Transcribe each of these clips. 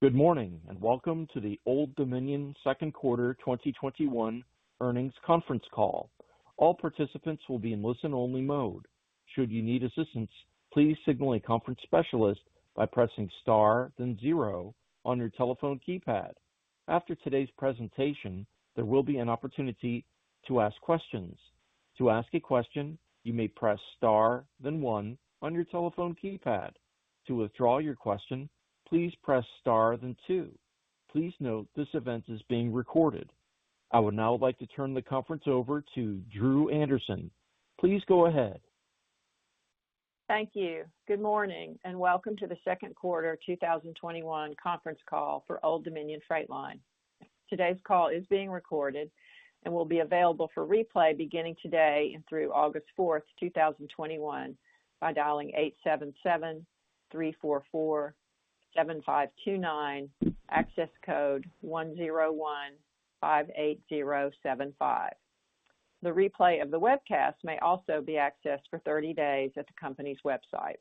Good morning, and welcome to the Old Dominion second quarter 2021 earnings conference call. All participants will be in listen-only mode. Should you need assistance, please signal a conference specialist by pressing star then zero on your telephone keypad. After today's presentation, there will be an opportunity to ask questions. To ask a question, you may press star then one on your telephone keypad. To withdraw your question, please press star then two. Please note this event is being recorded. I would now like to turn the conference over to Drew Anderson. Please go ahead. Thank you. Good morning and welcome to the second quarter 2021 conference call for Old Dominion Freight Line. Today's call is being recorded and will be available for replay beginning today and through August 4th, 2021 by dialing 877-344-7529, access code 10158075. The replay of the webcast may also be accessed for 30 days at the company's website.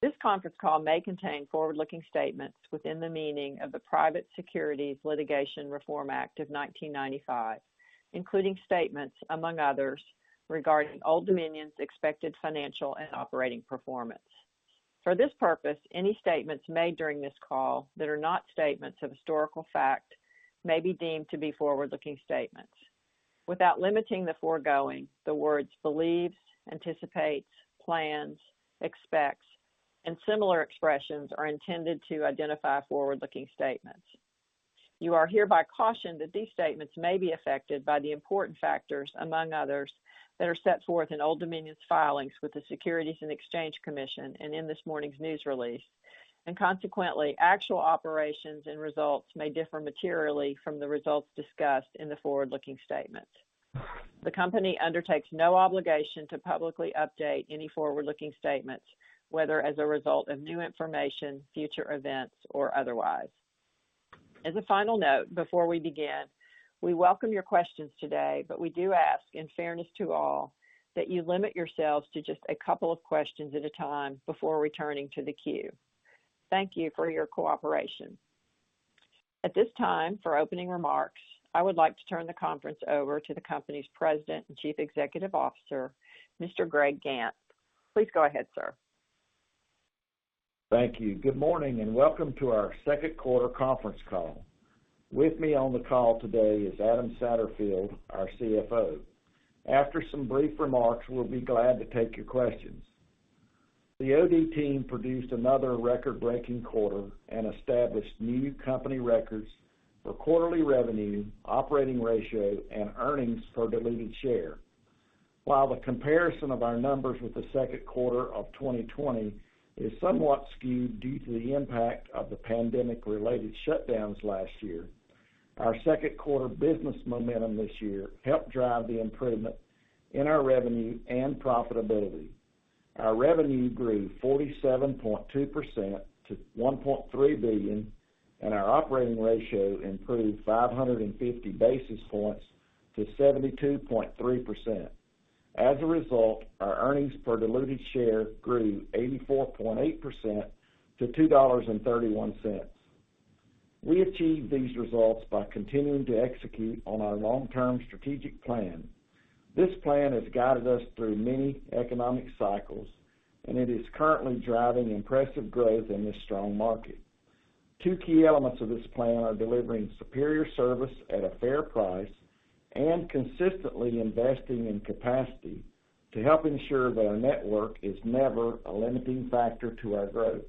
This conference call may contain forward-looking statements within the meaning of the Private Securities Litigation Reform Act of 1995, including statements, among others, regarding Old Dominion's expected financial and operating performance. For this purpose, any statements made during this call that are not statements of historical fact may be deemed to be forward-looking statements. Without limiting the foregoing, the words believes, anticipates, plans, expects, and similar expressions are intended to identify forward-looking statements. You are hereby cautioned that these statements may be affected by the important factors, among others, that are set forth in Old Dominion's filings with the Securities and Exchange Commission and in this morning's news release, and consequently, actual operations and results may differ materially from the results discussed in the forward-looking statements. The company undertakes no obligation to publicly update any forward-looking statements, whether as a result of new information, future events, or otherwise. As a final note, before we begin, we welcome your questions today, but we do ask, in fairness to all, that you limit yourselves to just a couple of questions at a time before returning to the queue. Thank you for your cooperation. At this time, for opening remarks, I would like to turn the conference over to the company's President and Chief Executive Officer, Mr. Greg Gantt. Please go ahead, sir. Thank you. Good morning and welcome to our second quarter conference call. With me on the call today is Adam Satterfield, our CFO. After some brief remarks, we'll be glad to take your questions. The OD team produced another record-breaking quarter and established new company records for quarterly revenue, operating ratio, and earnings per diluted share. While the comparison of our numbers with the second quarter of 2020 is somewhat skewed due to the impact of the pandemic related shutdowns last year, our second quarter business momentum this year helped drive the improvement in our revenue and profitability. Our revenue grew 47.2% to $1.3 billion, and our operating ratio improved 550 basis points to 72.3%. As a result, our earnings per diluted share grew 84.8% to $2.31. We achieved these results by continuing to execute on our long-term strategic plan. This plan has guided us through many economic cycles, and it is currently driving impressive growth in this strong market. Two key elements of this plan are delivering superior service at a fair price and consistently investing in capacity to help ensure that our network is never a limiting factor to our growth.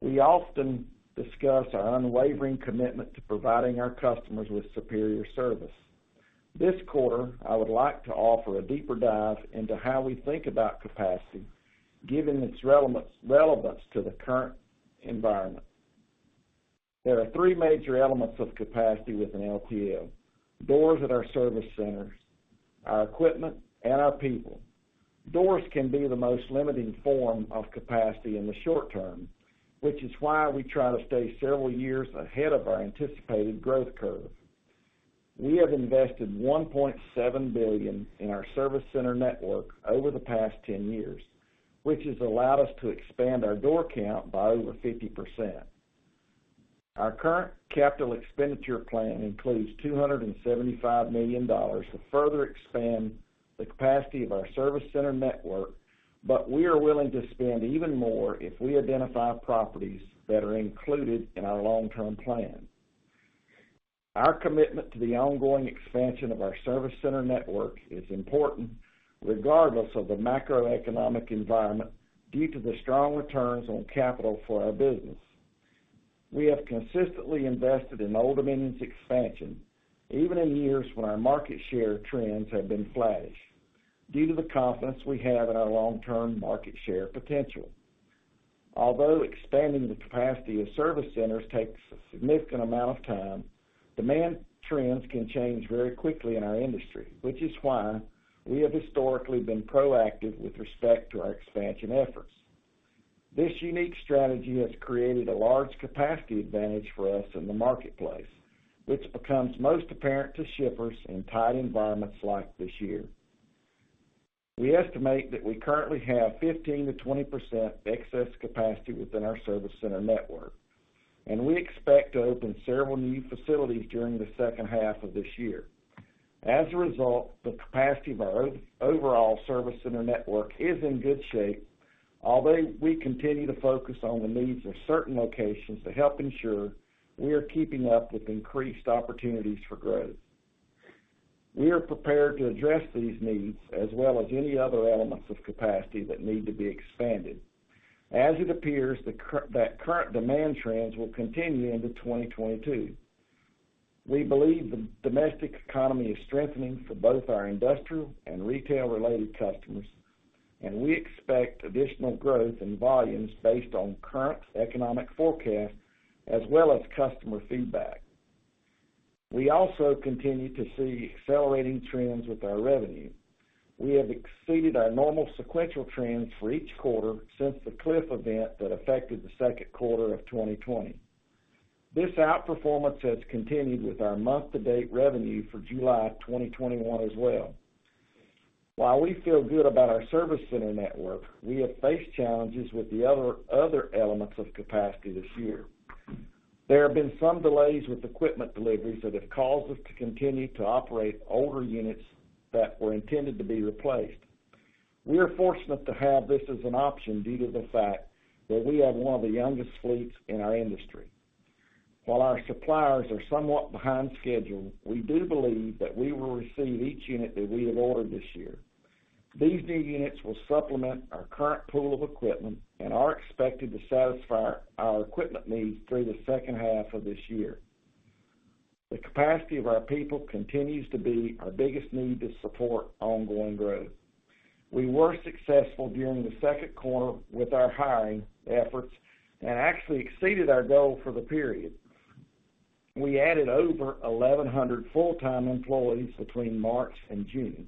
We often discuss our unwavering commitment to providing our customers with superior service. This quarter, I would like to offer a deeper dive into how we think about capacity, given its relevance to the current environment. There are three major elements of capacity within LTL, doors at our service centers, our equipment, and our people. Doors can be the most limiting form of capacity in the short term, which is why we try to stay several years ahead of our anticipated growth curve. We have invested $1.7 billion in our service center network over the past 10 years, which has allowed us to expand our door count by over 50%. Our current capital expenditure plan includes $275 million to further expand the capacity of our service center network, but we are willing to spend even more if we identify properties that are included in our long-term plan. Our commitment to the ongoing expansion of our service center network is important regardless of the macroeconomic environment due to the strong returns on capital for our business. We have consistently invested in Old Dominion's expansion, even in years when our market share trends have been flattish due to the confidence we have in our long-term market share potential. Although expanding the capacity of service centers takes a significant amount of time, demand trends can change very quickly in our industry, which is why we have historically been proactive with respect to our expansion efforts. This unique strategy has created a large capacity advantage for us in the marketplace, which becomes most apparent to shippers in tight environments like this year. We estimate that we currently have 15% to 20% excess capacity within our service center network, and we expect to open several new facilities during the second half of this year. As a result, the capacity of our overall service center network is in good shape, although we continue to focus on the needs of certain locations to help ensure we are keeping up with increased opportunities for growth. We are prepared to address these needs as well as any other elements of capacity that need to be expanded as it appears that current demand trends will continue into 2022. We believe the domestic economy is strengthening for both our industrial and retail-related customers, and we expect additional growth in volumes based on current economic forecasts as well as customer feedback. We also continue to see accelerating trends with our revenue. We have exceeded our normal sequential trends for each quarter since the cliff event that affected the second quarter of 2020. This outperformance has continued with our month-to-date revenue for July 2021 as well. While we feel good about our service center network, we have faced challenges with the other elements of capacity this year. There have been some delays with equipment deliveries that have caused us to continue to operate older units that were intended to be replaced. We are fortunate to have this as an option due to the fact that we have one of the youngest fleets in our industry. While our suppliers are somewhat behind schedule, we do believe that we will receive each unit that we have ordered this year. These new units will supplement our current pool of equipment and are expected to satisfy our equipment needs through the second half of this year. The capacity of our people continues to be our biggest need to support ongoing growth. We were successful during the second quarter with our hiring efforts and actually exceeded our goal for the period. We added over 1,100 full-time employees between March and June.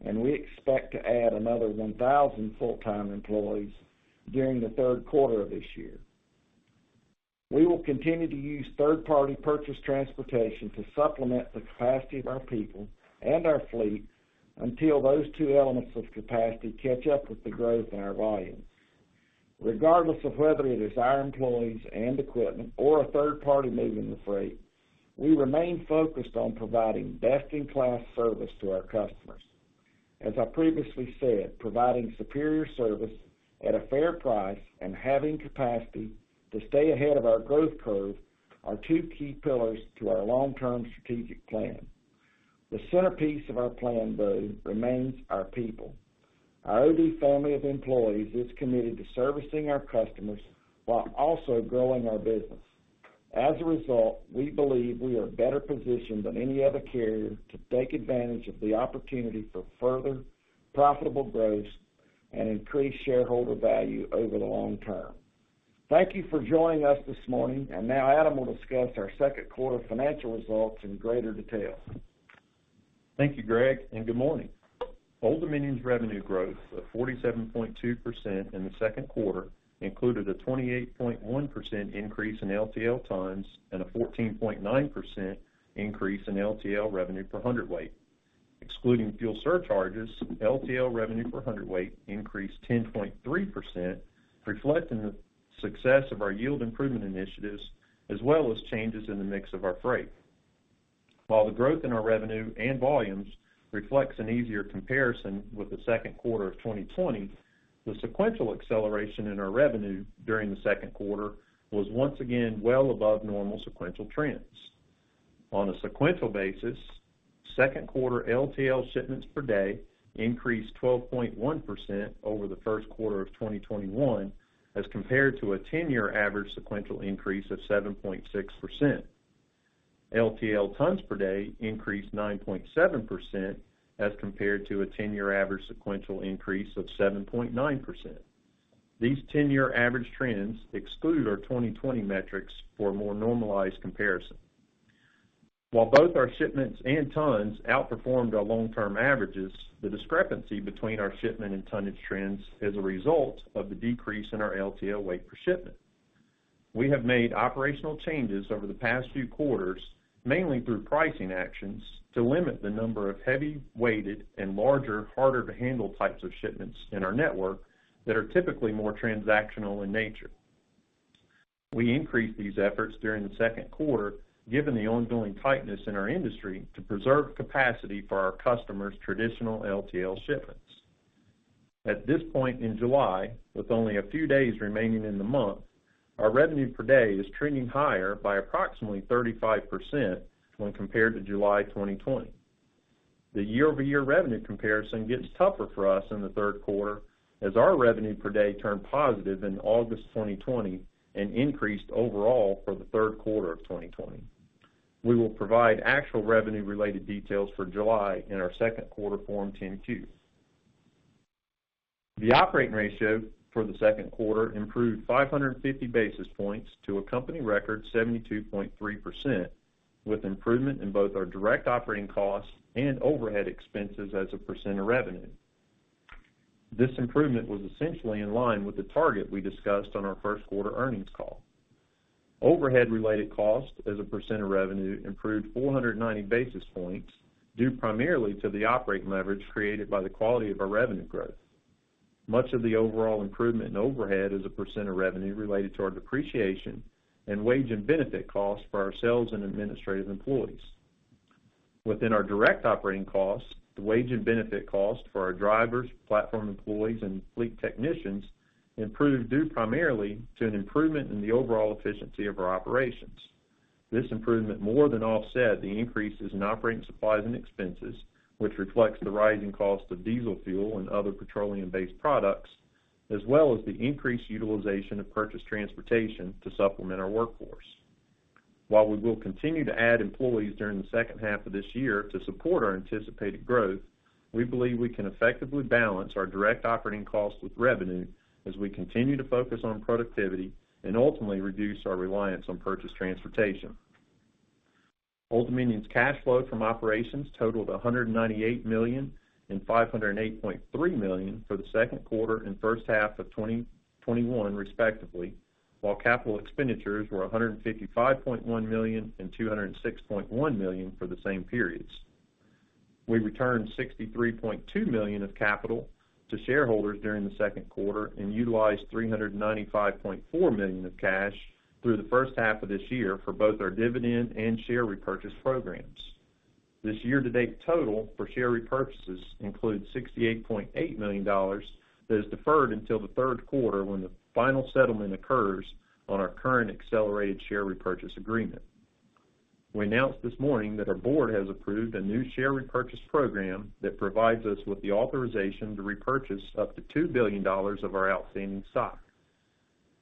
We expect to add another 1,000 full-time employees during the third quarter of this year. We will continue to use third-party purchased transportation to supplement the capacity of our people and our fleet until those two elements of capacity catch up with the growth in our volumes. Regardless of whether it is our employees and equipment or a third party moving the freight, we remain focused on providing best-in-class service to our customers. As I previously said, providing superior service at a fair price and having capacity to stay ahead of our growth curve are two key pillars to our long-term strategic plan. The centerpiece of our plan, though, remains our people. Our OD family of employees is committed to servicing our customers while also growing our business. As a result, we believe we are better positioned than any other carrier to take advantage of the opportunity for further profitable growth and increased shareholder value over the long term. Thank you for joining us this morning, and now Adam will discuss our second quarter financial results in greater detail. Thank you, Greg, and good morning. Old Dominion's revenue growth of 47.2% in the second quarter included a 28.1% increase in LTL tons and a 14.9% increase in LTL revenue per hundredweight. Excluding fuel surcharges, LTL revenue per hundredweight increased 10.3%, reflecting the success of our yield improvement initiatives, as well as changes in the mix of our freight. While the growth in our revenue and volumes reflects an easier comparison with the second quarter of 2020, the sequential acceleration in our revenue during the second quarter was once again well above normal sequential trends. On a sequential basis, second quarter LTL shipments per day increased 12.1% over the first quarter of 2021 as compared to a 10-year average sequential increase of 7.6%. LTL tons per day increased 9.7% as compared to a 10-year average sequential increase of 7.9%. These 10-year average trends exclude our 2020 metrics for a more normalized comparison. While both our shipments and tons outperformed our long-term averages, the discrepancy between our shipment and tonnage trends is a result of the decrease in our LTL weight per shipment. We have made operational changes over the past few quarters, mainly through pricing actions, to limit the number of heavy-weighted and larger, harder-to-handle types of shipments in our network that are typically more transactional in nature. We increased these efforts during the second quarter given the ongoing tightness in our industry to preserve capacity for our customers' traditional LTL shipments. At this point in July, with only a few days remaining in the month, our revenue per day is trending higher by approximately 35% when compared to July 2020. The year-over-year revenue comparison gets tougher for us in the third quarter as our revenue per day turned positive in August 2020 and increased overall for the third quarter of 2020. We will provide actual revenue-related details for July in our second quarter Form 10-Q. The operating ratio for the second quarter improved 550 basis points to a company record 72.3%, with improvement in both our direct operating costs and overhead expenses as a percent of revenue. This improvement was essentially in line with the target we discussed on our first quarter earnings call. Overhead related cost as a percent of revenue improved 490 basis points due primarily to the operating leverage created by the quality of our revenue growth. Much of the overall improvement in overhead as a percent of revenue related to our depreciation and wage and benefit costs for our sales and administrative employees. Within our direct operating costs, the wage and benefit cost for our drivers, platform employees, and fleet technicians improved due primarily to an improvement in the overall efficiency of our operations. This improvement more than offset the increases in operating supplies and expenses, which reflects the rising cost of diesel fuel and other petroleum-based products, as well as the increased utilization of purchased transportation to supplement our workforce. While we will continue to add employees during the second half of this year to support our anticipated growth, we believe we can effectively balance our direct operating costs with revenue as we continue to focus on productivity and ultimately reduce our reliance on purchased transportation. Old Dominion's cash flow from operations totaled $198 million and $508.3 million for the second quarter and first half of 2021, respectively, while capital expenditures were $155.1 million and $206.1 million for the same periods. We returned $63.2 million of capital to shareholders during the second quarter and utilized $395.4 million of cash through the first half of this year for both our dividend and share repurchase programs. This year-to-date total for share repurchases includes $68.8 million that is deferred until the third quarter when the final settlement occurs on our current accelerated share repurchase agreement. We announced this morning that our board has approved a new share repurchase program that provides us with the authorization to repurchase up to $2 billion of our outstanding stock.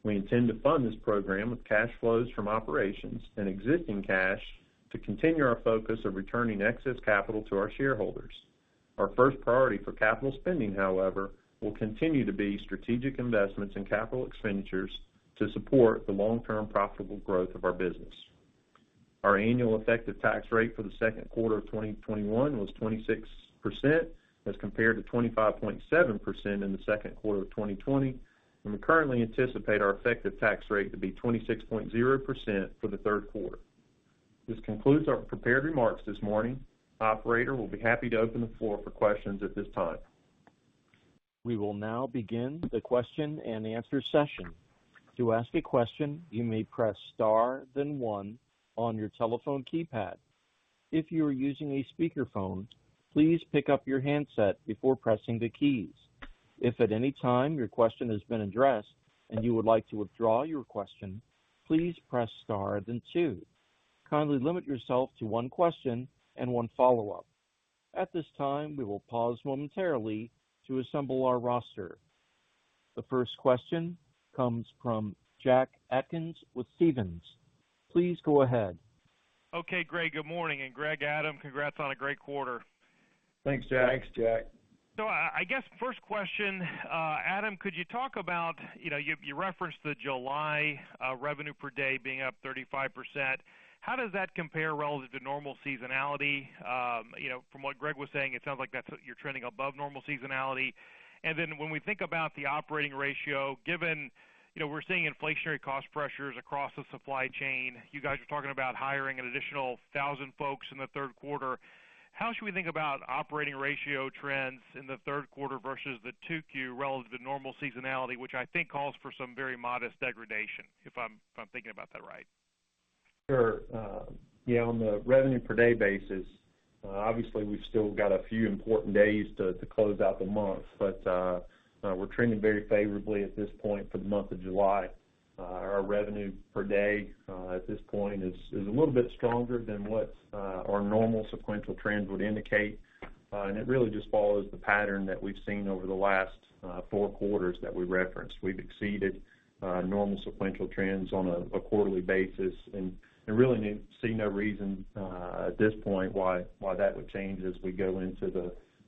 We intend to fund this program with cash flows from operations and existing cash to continue our focus of returning excess capital to our shareholders. Our first priority for capital spending, however, will continue to be strategic investments in capital expenditures to support the long-term profitable growth of our business. Our annual effective tax rate for the second quarter of 2021 was 26% as compared to 25.7% in the second quarter of 2020, and we currently anticipate our effective tax rate to be 26.0% for the third quarter. This concludes our prepared remarks this morning. Operator, we'll be happy to open the floor for questions at this time. We will now begin the question and answer session. To ask a question, you may press star then one on your telephone keypad. If you are using a speakerphone, please pick up your handset before pressing the keys. If at any time your question has been addressed and you would like to withdraw your question, please press star then two. Kindly limit yourself to one question and one follow-up. At this time, we will pause momentarily to assemble our roster. The first question comes from Jack Atkins with Stephens. Please go ahead. Okay, Greg, good morning. Greg, Adam, congrats on a great quarter. Thanks, Jack. Thanks, Jack. I guess first question, Adam, could you talk about, you referenced the July revenue per day being up 35%? How does that compare relative to normal seasonality? From what Greg was saying, it sounds like you're trending above normal seasonality. When we think about the operating ratio, given we're seeing inflationary cost pressures across the supply chain, you guys are talking about hiring an additional 1,000 folks in the third quarter. How should we think about operating ratio trends in the third quarter versus the 2Q relative to normal seasonality, which I think calls for some very modest degradation, if I'm thinking about that right? Sure. Yeah, on the revenue per day basis, obviously we've still got a few important days to close out the month. We're trending very favorably at this point for the month of July. Our revenue per day at this point is a little bit stronger than what our normal sequential trends would indicate. It really just follows the pattern that we've seen over the last four quarters that we referenced. We've exceeded normal sequential trends on a quarterly basis, and really see no reason at this point why that would change as we go into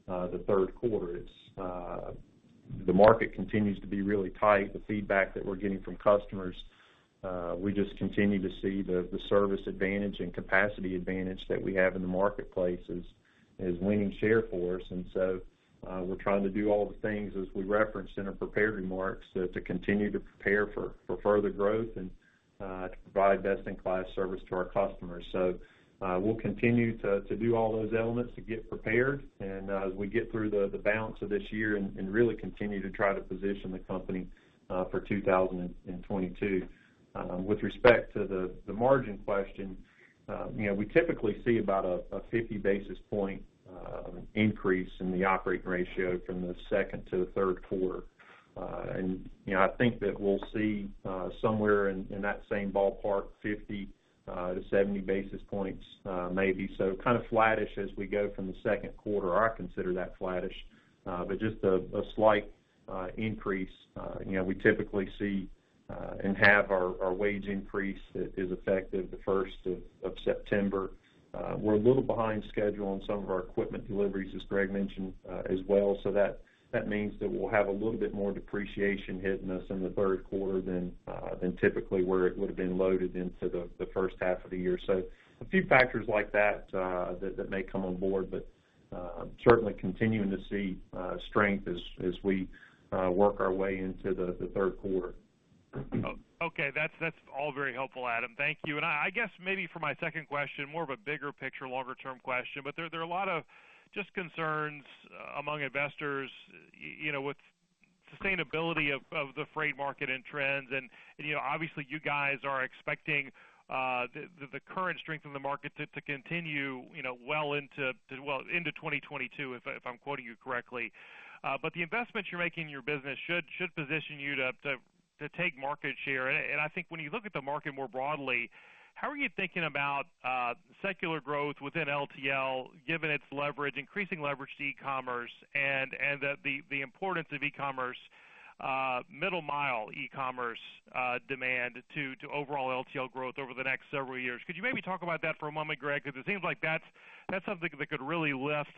the third quarter. The market continues to be really tight. The feedback that we're getting from customers, we just continue to see the service advantage and capacity advantage that we have in the marketplace is winning share for us. We're trying to do all the things as we referenced in our prepared remarks to continue to prepare for further growth and to provide best-in-class service to our customers. We'll continue to do all those elements to get prepared and as we get through the balance of this year and really continue to try to position the company for 2022. With respect to the margin question, we typically see about a 50 basis point increase in the operating ratio from the second to the third quarter. I think that we'll see somewhere in that same ballpark, 50 to 70 basis points maybe. Kind of flattish as we go from the second quarter, or I consider that flattish. Just a slight increase. We typically see and have our wage increase that is effective the 1st of September. We're a little behind schedule on some of our equipment deliveries, as Greg mentioned as well. That means that we'll have a little bit more depreciation hitting us in the third quarter than typically where it would have been loaded into the first half of the year. A few factors like that may come on board, but certainly continuing to see strength as we work our way into the third quarter. Okay. That's all very helpful, Adam. Thank you. I guess maybe for my second question, more of a bigger picture, longer-term question, but there are a lot of just concerns among investors with sustainability of the freight market and trends. Obviously, you guys are expecting the current strength in the market to continue well into 2022, if I'm quoting you correctly. But the investments you're making in your business should position you to take market share. I think when you look at the market more broadly, how are you thinking about secular growth within LTL, given its leverage, increasing leverage to e-commerce and the importance of e-commerce, middle mile e-commerce demand to overall LTL growth over the next several years? Could you maybe talk about that for a moment, Greg? It seems like that's something that could really lift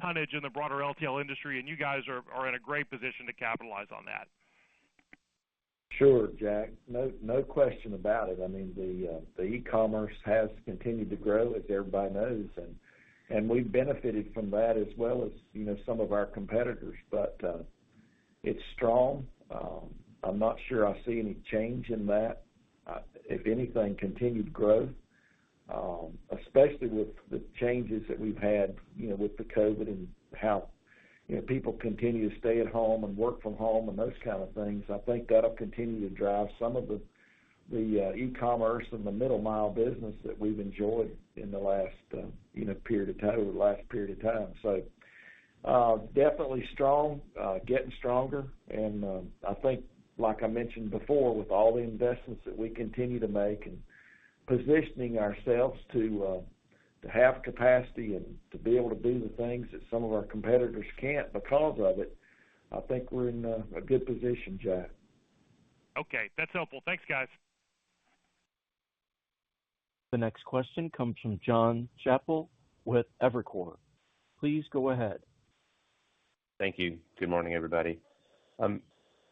tonnage in the broader LTL industry, and you guys are in a great position to capitalize on that. Sure, Jack. No question about it. I mean, the e-commerce has continued to grow, as everybody knows, and we've benefited from that as well as some of our competitors. It's strong. I'm not sure I see any change in that. If anything, continued growth, especially with the changes that we've had with the COVID and how people continue to stay at home and work from home and those kind of things. I think that'll continue to drive some of the e-commerce and the middle mile business that we've enjoyed in the last period of time. Definitely strong, getting stronger. I think, like I mentioned before, with all the investments that we continue to make and positioning ourselves to have capacity and to be able to do the things that some of our competitors can't because of it, I think we're in a good position, Jack. Okay. That's helpful. Thanks, guys. The next question comes from Jonathan Chappell with Evercore. Please go ahead. Thank you. Good morning, everybody.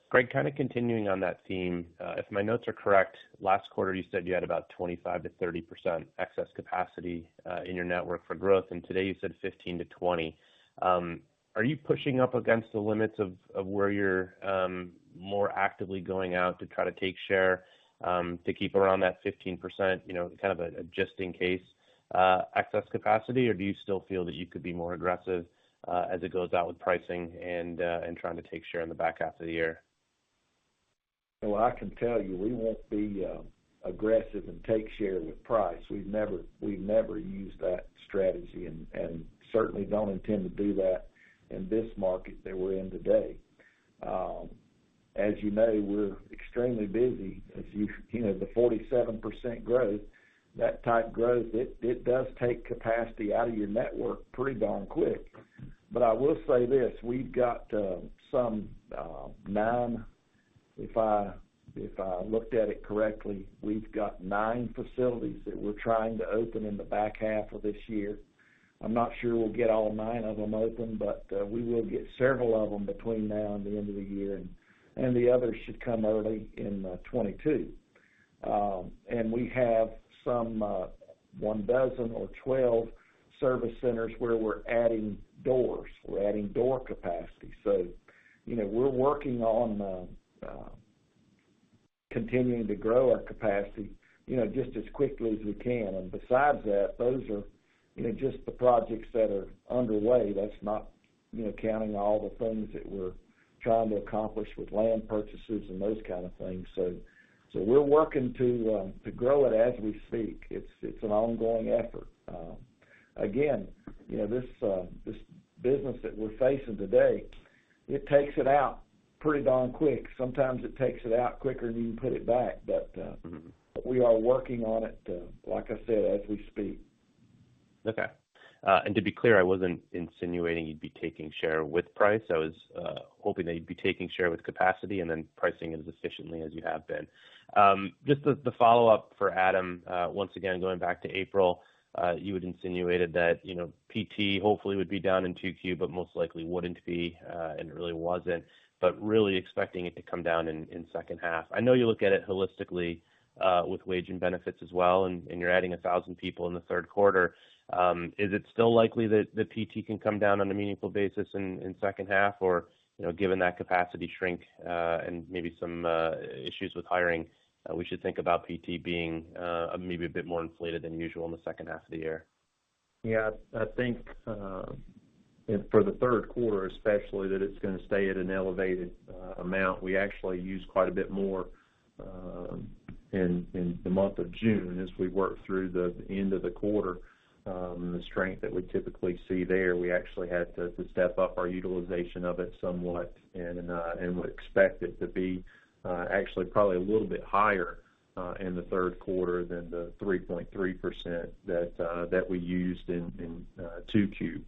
Greg, continuing on that theme. If my notes are correct, last quarter you said you had about 25% to 30% excess capacity in your network for growth, and today you said 15% to 20%. Are you pushing up against the limits of where you're more actively going out to try to take share to keep around that 15%, a just in case excess capacity? Do you still feel that you could be more aggressive as it goes out with pricing and trying to take share in the back half of the year? Well, I can tell you, we won't be aggressive and take share with price. We've never used that strategy and certainly don't intend to do that in this market that we're in today. As you know, we're extremely busy. The 47% growth, that type of growth, it does take capacity out of your network pretty darn quick. I will say this, we've got some nine, if I looked at it correctly, we've got nine facilities that we're trying to open in the back half of this year. I'm not sure we'll get all nine of them open, we will get several of them between now and the end of the year, and the others should come early in 2022. We have some one dozen or 12 service centers where we're adding doors. We're adding door capacity. We're working on continuing to grow our capacity just as quickly as we can. Besides that, those are just the projects that are underway. That's not counting all the things that we're trying to accomplish with land purchases and those kind of things. We're working to grow it as we speak. It's an ongoing effort. Again, this business that we're facing today, it takes it out pretty darn quick. Sometimes it takes it out quicker than you can put it back. We are working on it, like I said, as we speak. Okay. To be clear, I wasn't insinuating you'd be taking share with price. I was hoping that you'd be taking share with capacity and then pricing it as efficiently as you have been. Just the follow-up for Adam. Once again, going back to April, you had insinuated that PT hopefully would be down in Q2, but most likely wouldn't be, and it really wasn't. Really expecting it to come down in the second half. I know you look at it holistically with wage and benefits as well, and you're adding 1,000 people in the third quarter. Is it still likely that PT can come down on a meaningful basis in the second half? Given that capacity shrink and maybe some issues with hiring, we should think about PT being maybe a bit more inflated than usual in the second half of the year? I think for the third quarter, especially, that it's going to stay at an elevated amount. We actually used quite a bit more in the month of June as we worked through the end of the quarter. The strength that we typically see there, we actually had to step up our utilization of it somewhat, and would expect it to be actually probably a little bit higher in the third quarter than the 3.3% that we used in Q2.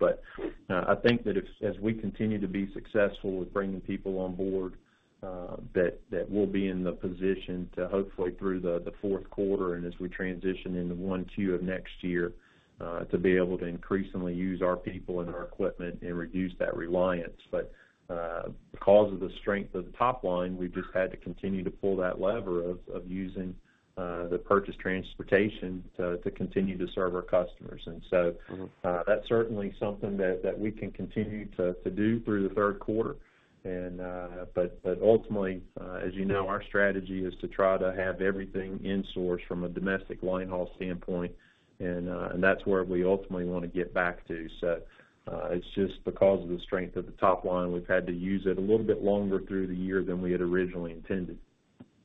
I think that as we continue to be successful with bringing people on board, that we'll be in the position to hopefully through the fourth quarter and as we transition into Q1 of next year to be able to increasingly use our people and our equipment and reduce that reliance. Because of the strength of the top line, we've just had to continue to pull that lever of using the purchased transportation to continue to serve our customers. That's certainly something that we can continue to do through the third quarter. Ultimately, as you know, our strategy is to try to have everything insourced from a domestic linehaul standpoint, and that's where we ultimately want to get back to. It's just because of the strength of the top line, we've had to use it a little bit longer through the year than we had originally intended.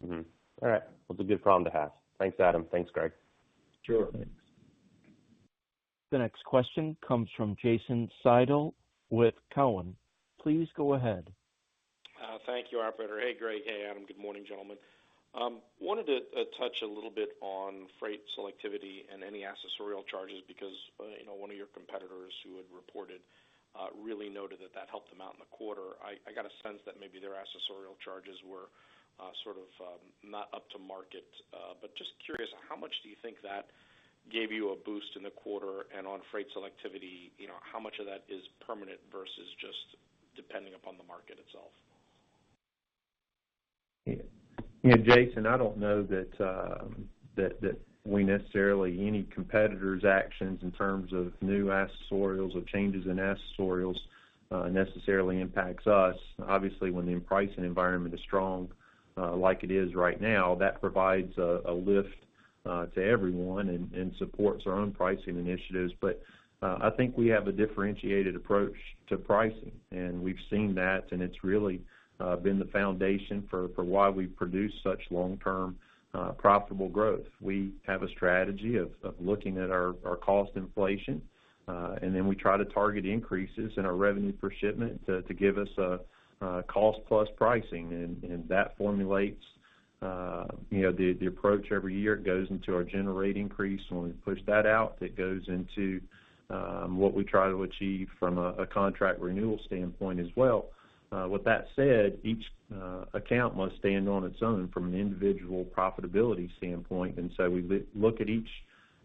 All right. Well, it's a good problem to have. Thanks, Adam. Thanks, Greg. Sure. Thanks. The next question comes from Jason Seidl with Cowen. Please go ahead. Thank you, operator. Hey, Greg. Hey, Adam. Good morning, gentlemen. Wanted to touch a little bit on freight selectivity and any accessorial charges because one of your competitors who had reported really noted that that helped them out in the quarter. I got a sense that maybe their accessorial charges were sort of not up to market. Just curious, how much do you think that gave you a boost in the quarter? On freight selectivity, how much of that is permanent versus just depending upon the market itself? Jason, I don't know that any competitor's actions in terms of new accessorials or changes in accessorials necessarily impacts us. Obviously, when the pricing environment is strong, like it is right now, that provides a lift to everyone and supports our own pricing initiatives. I think we have a differentiated approach to pricing, and we've seen that, and it's really been the foundation for why we produce such long-term, profitable growth. We have a strategy of looking at our cost inflation, and then we try to target increases in our revenue per shipment to give us a cost-plus pricing. That formulates the approach every year. It goes into our general rate increase. When we push that out, that goes into what we try to achieve from a contract renewal standpoint as well. With that said, each account must stand on its own from an individual profitability standpoint, so we look at each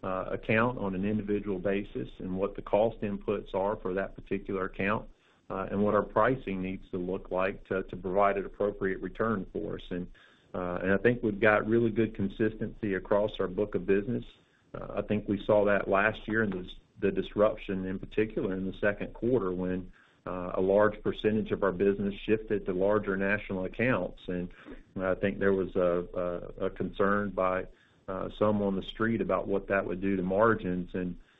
account on an individual basis and what the cost inputs are for that particular account, and what our pricing needs to look like to provide an appropriate return for us. I think we've got really good consistency across our book of business. I think we saw that last year in the disruption, and in particular in the 2Q, when a large percentage of our business shifted to larger national accounts. I think there was a concern by some on the street about what that would do to margins.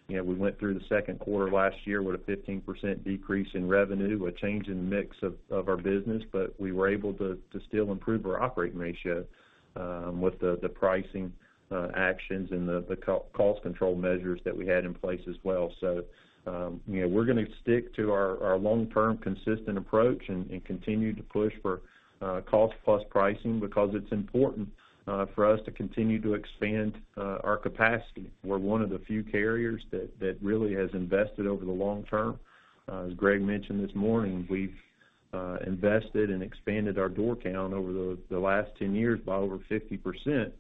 We went through the second quarter last year with a 15% decrease in revenue, a change in the mix of our business, but we were able to still improve our operating ratio with the pricing actions and the cost control measures that we had in place as well. We're going to stick to our long-term consistent approach and continue to push for cost-plus pricing because it's important for us to continue to expand our capacity. We're one of the few carriers that really has invested over the long term. As Greg mentioned this morning, we've invested and expanded our door count over the last 10 years by over 50%,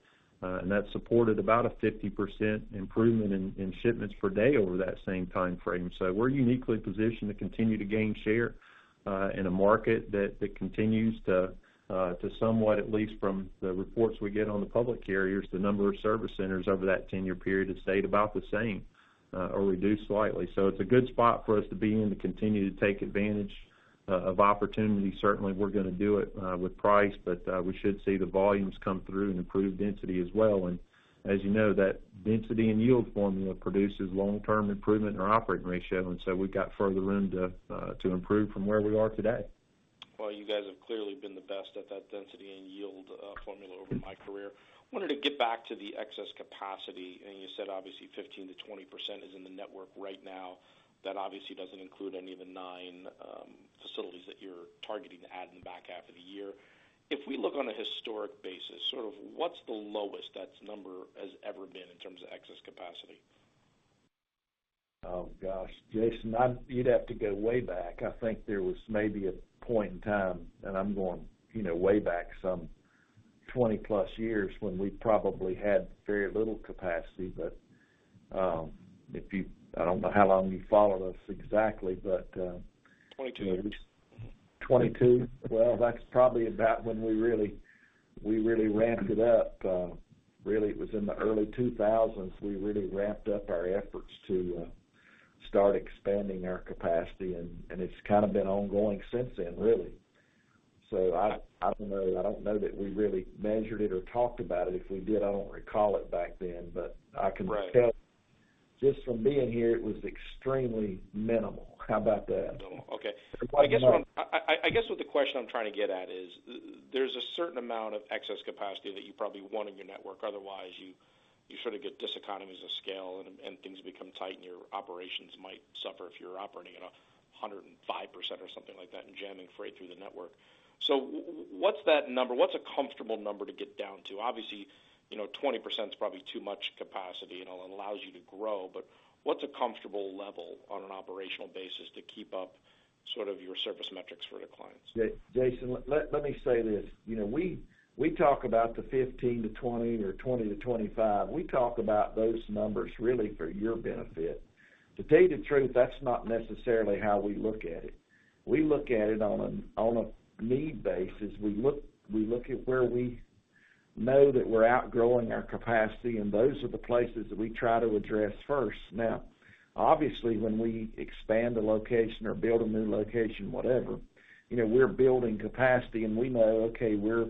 and that supported about a 50% improvement in shipments per day over that same timeframe. We're uniquely positioned to continue to gain share in a market that continues to somewhat, at least from the reports we get on the public carriers, the number of service centers over that 10-year period has stayed about the same or reduced slightly. It's a good spot for us to be in to continue to take advantage of opportunities. Certainly, we're going to do it with price, but we should see the volumes come through and improve density as well. As you know, that density and yield formula produces long-term improvement in our operating ratio, and so we've got further room to improve from where we are today. You guys have clearly been the best at that density and yield formula over my career. Wanted to get back to the excess capacity, and you said obviously 15% to 20% is in the network right now. That obviously doesn't include any of the nine facilities that you're targeting to add in the back half of the year. If we look on a historic basis, what's the lowest that number has ever been in terms of excess capacity? Oh, gosh, Jason, you'd have to go way back. I think there was maybe a point in time, and I'm going way back some 20+ years, when we probably had very little capacity. I don't know how long you followed us exactly, but- Twenty-two 22? That's probably about when we really ramped it up. Really, it was in the early 2000s, we really ramped up our efforts to start expanding our capacity, and it's been ongoing since then, really. I don't know that we really measured it or talked about it. If we did, I don't recall it back then, but I can tell just from being here, it was extremely minimal. How about that. Minimal. Okay. I guess what the question I'm trying to get at is, there's a certain amount of excess capacity that you probably want in your network. You sort of get diseconomies of scale and things become tight, and your operations might suffer if you're operating at a 105% or something like that and jamming freight through the network. What's that number? What's a comfortable number to get down to? Obviously, 20% is probably too much capacity, and it allows you to grow, what's a comfortable level on an operational basis to keep up sort of your service metrics for the clients. Jason, let me say this. We talk about the 15% to 20% or 20% to 25%. We talk about those numbers really for your benefit. To tell you the truth, that's not necessarily how we look at it. We look at it on a need basis. We look at where we know that we're outgrowing our capacity, and those are the places that we try to address first. Now, obviously, when we expand a location or build a new location, whatever, we're building capacity and we know, okay, we're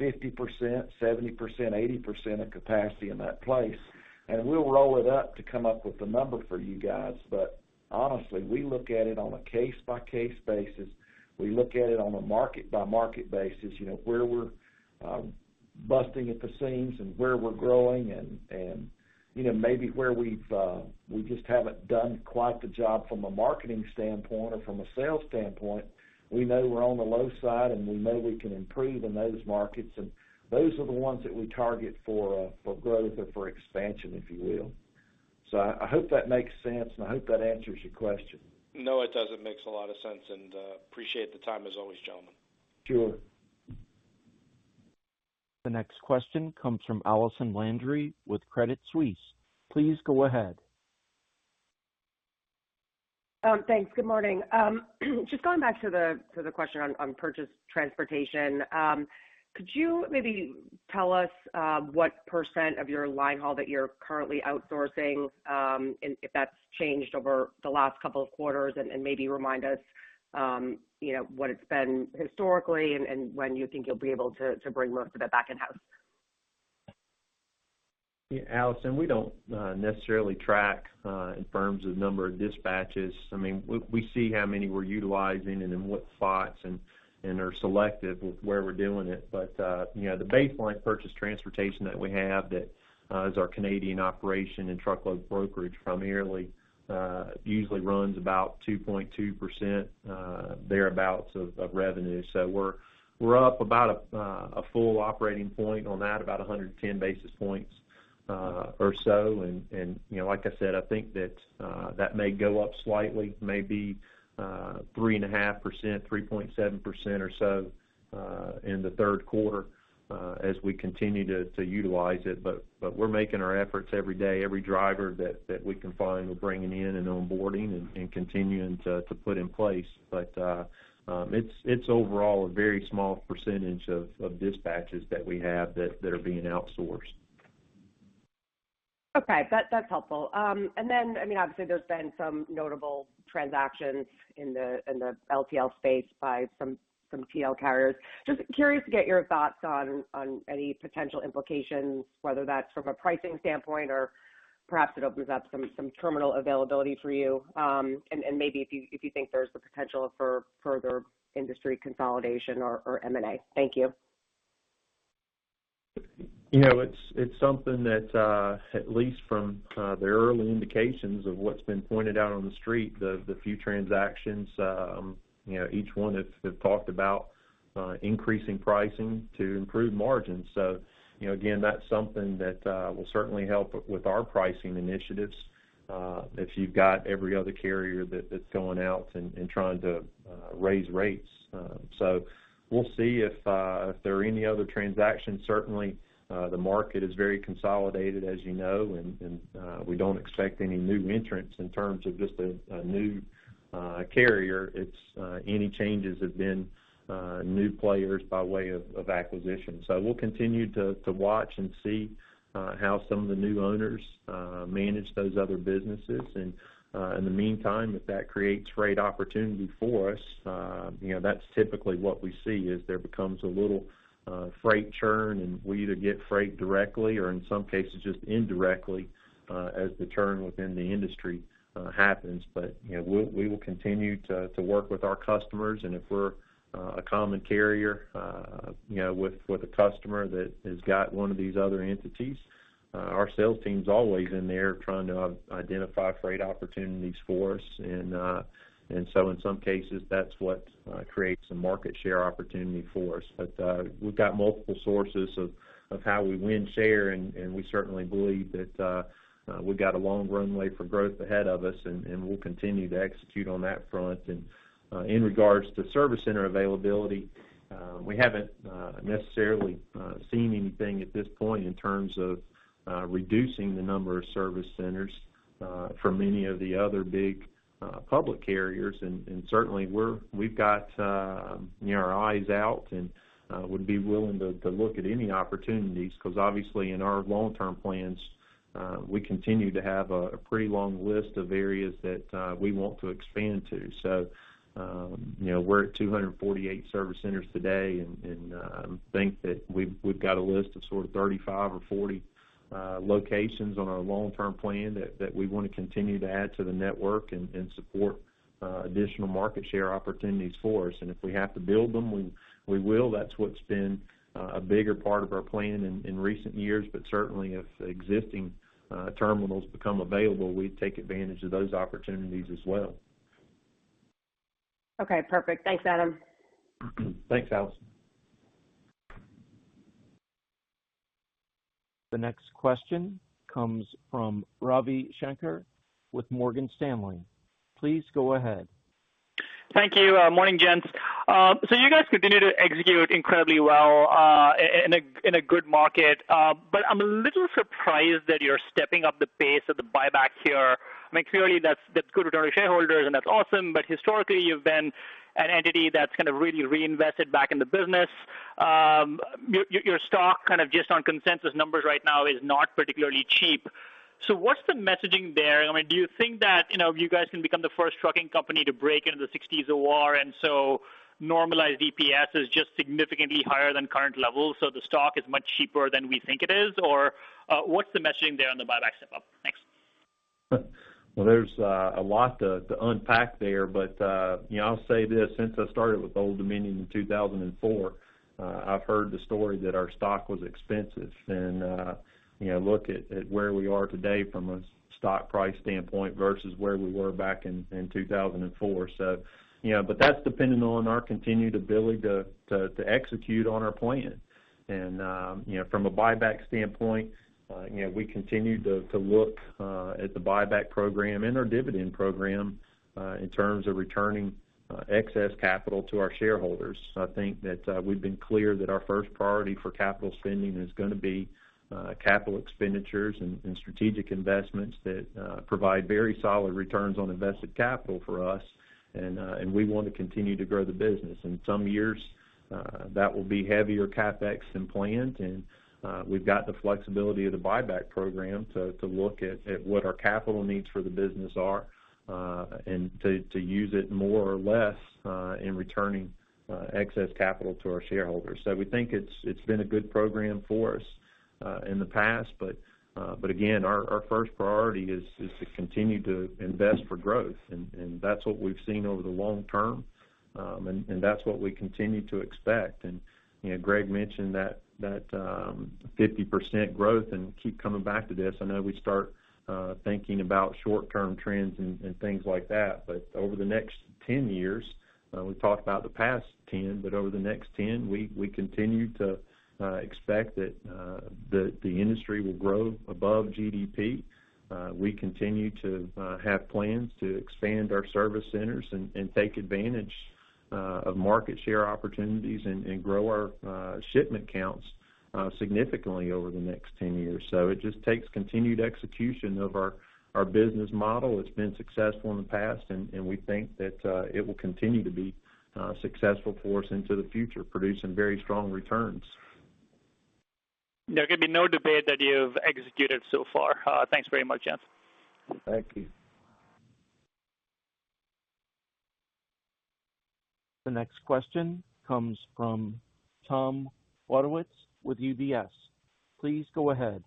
50%, 70%, 80% of capacity in that place, and we'll roll it up to come up with a number for you guys. Honestly, we look at it on a case-by-case basis. We look at it on a market-by-market basis, where we're busting at the seams and where we're growing, and maybe where we just haven't done quite the job from a marketing standpoint or from a sales standpoint. We know we're on the low side, and we know we can improve in those markets, and those are the ones that we target for growth or for expansion, if you will. I hope that makes sense, and I hope that answers your question. No, it does. It makes a lot of sense. Appreciate the time as always, gentlemen. Sure. The next question comes from Allison Landry with Credit Suisse. Please go ahead. Thanks. Good morning. Just going back to the question on purchased transportation, could you maybe tell us what % of your line haul that you're currently outsourcing, and if that's changed over the last couple of quarters? Maybe remind us what it's been historically and when you think you'll be able to bring most of it back in-house? Allison, we don't necessarily track in terms of number of dispatches. We see how many we're utilizing and in what spots and are selective with where we're doing it. The baseline purchased transportation that we have that is our Canadian operation and truckload brokerage primarily usually runs about 2.2%, thereabouts, of revenue. We're up about a full operating point on that, about 110 basis points or so. Like I said, I think that may go up slightly, maybe 3.5%, 3.7% or so in the third quarter as we continue to utilize it. We're making our efforts every day. Every driver that we can find, we're bringing in and onboarding and continuing to put in place. It's overall a very small percentage of dispatches that we have that are being outsourced. Okay. That's helpful. Obviously, there's been some notable transactions in the LTL space by some TL carriers. Just curious to get your thoughts on any potential implications, whether that's from a pricing standpoint or perhaps it opens up some terminal availability for you, and maybe if you think there's the potential for further industry consolidation or M&A. Thank you. It's something that at least from the early indications of what's been pointed out on the street, the few transactions, each one have talked about increasing pricing to improve margins. Again, that's something that will certainly help with our pricing initiatives, if you've got every other carrier that's going out and trying to raise rates. We'll see if there are any other transactions. Certainly, the market is very consolidated as you know, and we don't expect any new entrants in terms of just a new carrier. It's any changes have been new players by way of acquisition. We'll continue to watch and see how some of the new owners manage those other businesses. In the meantime, if that creates freight opportunity for us, that is typically what we see, is there becomes a little freight churn, and we either get freight directly or in some cases, just indirectly as the churn within the industry happens. We will continue to work with our customers, and if we are a common carrier with a customer that has got one of these other entities, our sales team is always in there trying to identify freight opportunities for us. In some cases, that is what creates a market share opportunity for us. We have got multiple sources of how we win share, and we certainly believe that we have got a long runway for growth ahead of us, and we will continue to execute on that front. In regards to service center availability, we haven't necessarily seen anything at this point in terms of reducing the number of service centers from any of the other big public carriers. Certainly, we've got our eyes out and would be willing to look at any opportunities, because obviously in our long-term plans, we continue to have a pretty long list of areas that we want to expand to. We're at 248 service centers today, and I think that we've got a list of sort of 35 or 40 locations on our long-term plan that we want to continue to add to the network and support additional market share opportunities for us. If we have to build them, we will. That's what's been a bigger part of our plan in recent years. Certainly if existing terminals become available, we take advantage of those opportunities as well. Okay, perfect. Thanks, Adam. Thanks, Allison. The next question comes from Ravi Shanker with Morgan Stanley. Please go ahead. Thank you. Morning, gents. You guys continue to execute incredibly well in a good market. I'm a little surprised that you're stepping up the pace of the buyback here. Clearly, that's good return to shareholders, and that's awesome. Historically, you've been an entity that's really reinvested back in the business. Your stock, just on consensus numbers right now, is not particularly cheap. What's the messaging there? Do you think that you guys can become the first trucking company to break into the 60s OR, and so normalized EPS is just significantly higher than current levels, so the stock is much cheaper than we think it is? What's the messaging there on the buyback step up? Thanks. Well, there's a lot to unpack there. I'll say this, since I started with Old Dominion in 2004, I've heard the story that our stock was expensive. Look at where we are today from a stock price standpoint versus where we were back in 2004. That's dependent on our continued ability to execute on our plan. From a buyback standpoint, we continue to look at the buyback program and our dividend program in terms of returning excess capital to our shareholders. I think that we've been clear that our first priority for capital spending is going to be capital expenditures and strategic investments that provide very solid returns on invested capital for us, and we want to continue to grow the business. In some years, that will be heavier CapEx than planned, and we've got the flexibility of the buyback program to look at what our capital needs for the business are, and to use it more or less in returning excess capital to our shareholders. We think it's been a good program for us in the past. Again, our first priority is to continue to invest for growth, and that's what we've seen over the long term, and that's what we continue to expect. Greg mentioned that 50% growth, and keep coming back to this. I know we start thinking about short-term trends and things like that. Over the next 10 years, we talked about the past 10, but over the next 10, we continue to expect that the industry will grow above GDP. We continue to have plans to expand our service centers and take advantage of market share opportunities and grow our shipment counts significantly over the next 10 years. It just takes continued execution of our business model that's been successful in the past, and we think that it will continue to be successful for us into the future, producing very strong returns. There can be no debate that you've executed so far. Thanks very much, gents. Thank you. The next question comes from Tom Wadewitz with UBS. Please go ahead.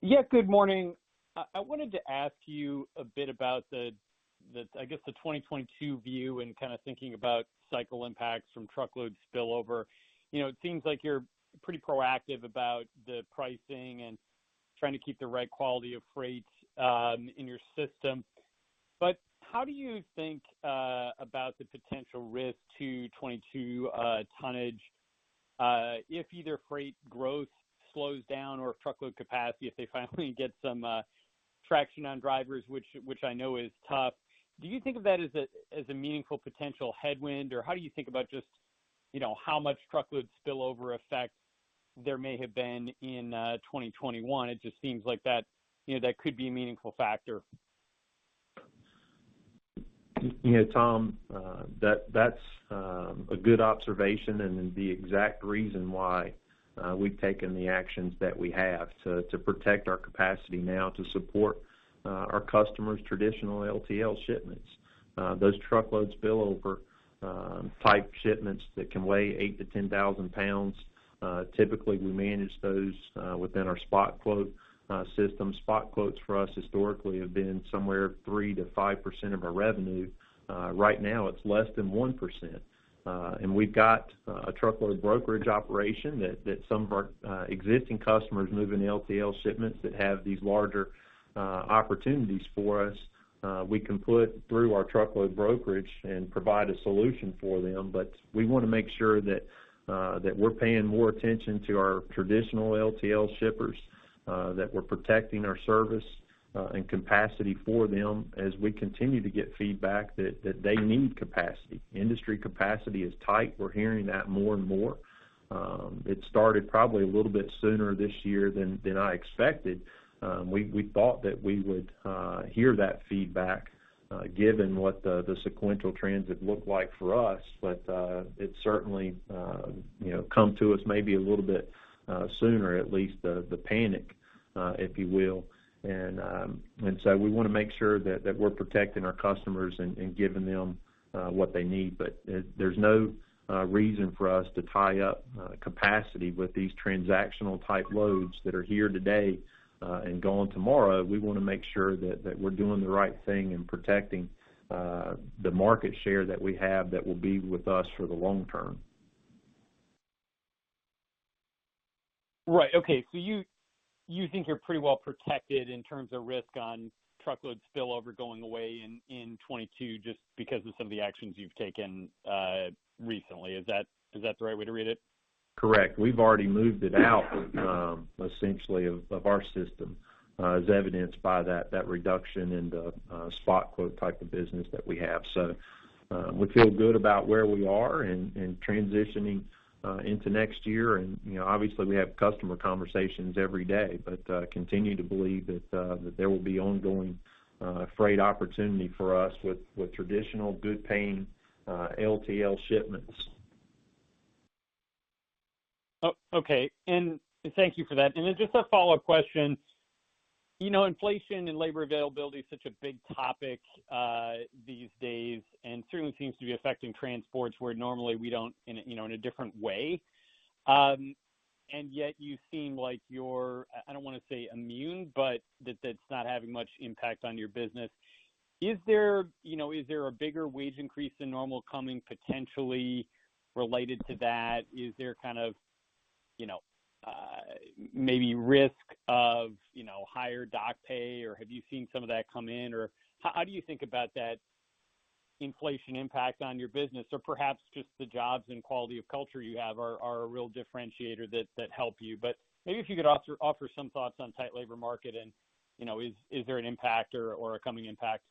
Yeah. Good morning. I wanted to ask you a bit about the, I guess, the 2022 view and thinking about cycle impacts from truckload spillover. It seems like you're pretty proactive about the pricing and trying to keep the right quality of freight in your system. How do you think about the potential risk to 2022 tonnage if either freight growth slows down or if truckload capacity, if they finally get some traction on drivers, which I know is tough. Do you think of that as a meaningful potential headwind, or how do you think about just how much truckload spillover effect there may have been in 2021? It just seems like that could be a meaningful factor. Tom, that's a good observation and the exact reason why we've taken the actions that we have to protect our capacity now to support our customers' traditional LTL shipments. Those truckloads spillover type shipments that can weigh 8,000 to 10,000 pounds. Typically, we manage those within our spot quote system. Spot quotes for us historically have been somewhere 3% to 5% of our revenue. Right now it's less than 1%. We've got a truckload brokerage operation that some of our existing customers moving LTL shipments that have these larger opportunities for us. We can put through our truckload brokerage and provide a solution for them. We want to make sure that we're paying more attention to our traditional LTL shippers, that we're protecting our service and capacity for them as we continue to get feedback that they need capacity. Industry capacity is tight. We're hearing that more and more. It started probably a little bit sooner this year than I expected. We thought that we would hear that feedback, given what the sequential trends had looked like for us. It certainly come to us maybe a little bit sooner, at least the panic, if you will. We want to make sure that we're protecting our customers and giving them what they need. There's no reason for us to tie up capacity with these transactional type loads that are here today and gone tomorrow. We want to make sure that we're doing the right thing and protecting the market share that we have that will be with us for the long term. Right. Okay. You think you're pretty well protected in terms of risk on truckload spillover going away in 2022, just because of some of the actions you've taken recently. Is that the right way to read it? Correct. We've already moved it out, essentially, of our system, as evidenced by that reduction in the spot quote type of business that we have. We feel good about where we are and transitioning into next year and obviously, we have customer conversations every day, but continue to believe that there will be ongoing freight opportunity for us with traditional good paying LTL shipments. Oh, okay. Thank you for that. Just a follow-up question. Inflation and labor availability is such a big topic these days, and certainly seems to be affecting transports where normally we don't, in a different way. You seem like you're, I don't want to say immune, but that that's not having much impact on your business. Is there a bigger wage increase than normal coming potentially related to that? Is there maybe risk of higher dock pay, or have you seen some of that come in? How do you think about that inflation impact on your business? Perhaps just the jobs and quality of culture you have are a real differentiator that help you. Maybe if you could offer some thoughts on tight labor market and, is there an impact or a coming impact?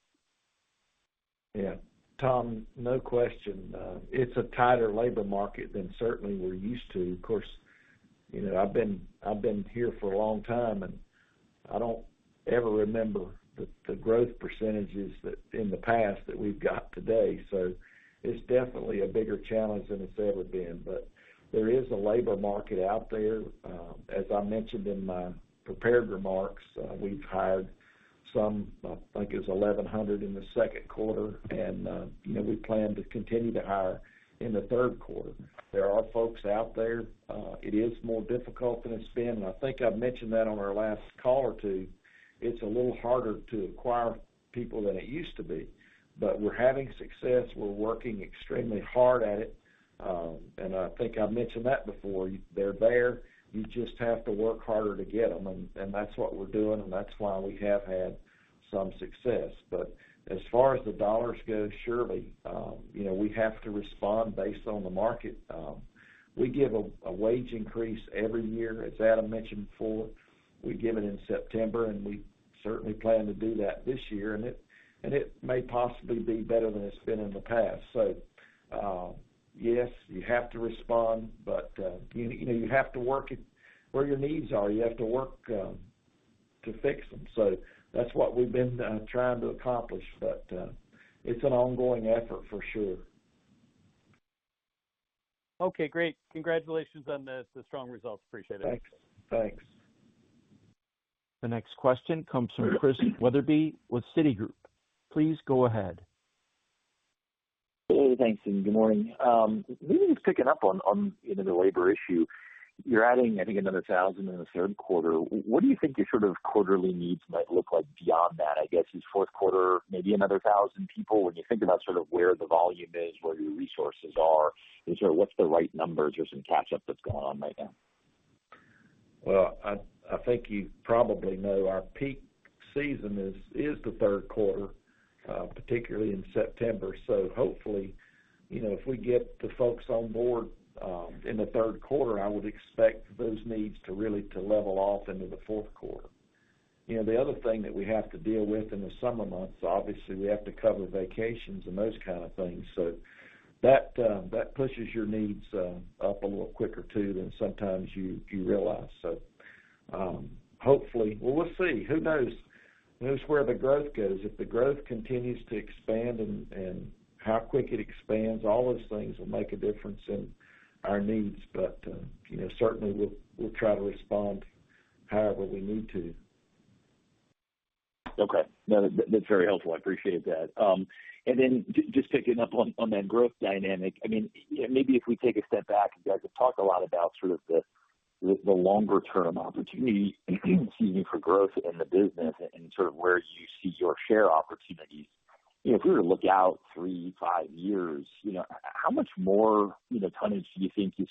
Yeah. Tom, no question. It's a tighter labor market than certainly we're used to. Of course, I've been here for a long time, and I don't ever remember the growth percentages in the past that we've got today. It's definitely a bigger challenge than it's ever been. There is a labor market out there. As I mentioned in my prepared remarks, we've hired some, I think it was 1,100 in the second quarter, and we plan to continue to hire in the third quarter. There are folks out there. It is more difficult than it's been, and I think I've mentioned that on our last call or two. It's a little harder to acquire people than it used to be. We're having success. We're working extremely hard at it. I think I've mentioned that before. They're there. You just have to work harder to get them, and that's what we're doing, and that's why we have had some success. As far as the dollars go, surely we have to respond based on the market. We give a wage increase every year, as Adam mentioned before. We give it in September, and we certainly plan to do that this year. It may possibly be better than it's been in the past. Yes, you have to respond, but you have to work where your needs are. You have to work to fix them. That's what we've been trying to accomplish. It's an ongoing effort for sure. Okay, great. Congratulations on the strong results. Appreciate it. Thanks. The next question comes from Chris Wetherbee with Citigroup. Please go ahead. Hey, thanks, good morning. Maybe just picking up on the labor issue. You're adding, I think, another 1,000 in the 3rd quarter. What do you think your sort of quarterly needs might look like beyond that? I guess, is 4th quarter, maybe another 1,000 people when you think about where the volume is, where your resources are, and what's the right numbers or some catch-up that's going on right now? I think you probably know our peak season is the third quarter, particularly in September. Hopefully, if we get the folks on board in the third quarter, I would expect those needs to really level off into the fourth quarter. The other thing that we have to deal with in the summer months, obviously, we have to cover vacations and those kind of things. That pushes your needs up a little quicker too than sometimes you realize. Hopefully, we'll see. Who knows where the growth goes? If the growth continues to expand and how quick it expands, all those things will make a difference in our needs. Certainly, we'll try to respond however we need to. Okay. No, that's very helpful. I appreciate that. Then just picking up on that growth dynamic. Maybe if we take a step back, you guys have talked a lot about sort of the longer term opportunity for growth in the business and sort of where you see your share opportunities. If we were to look out three to five years, how much more tonnage do you think you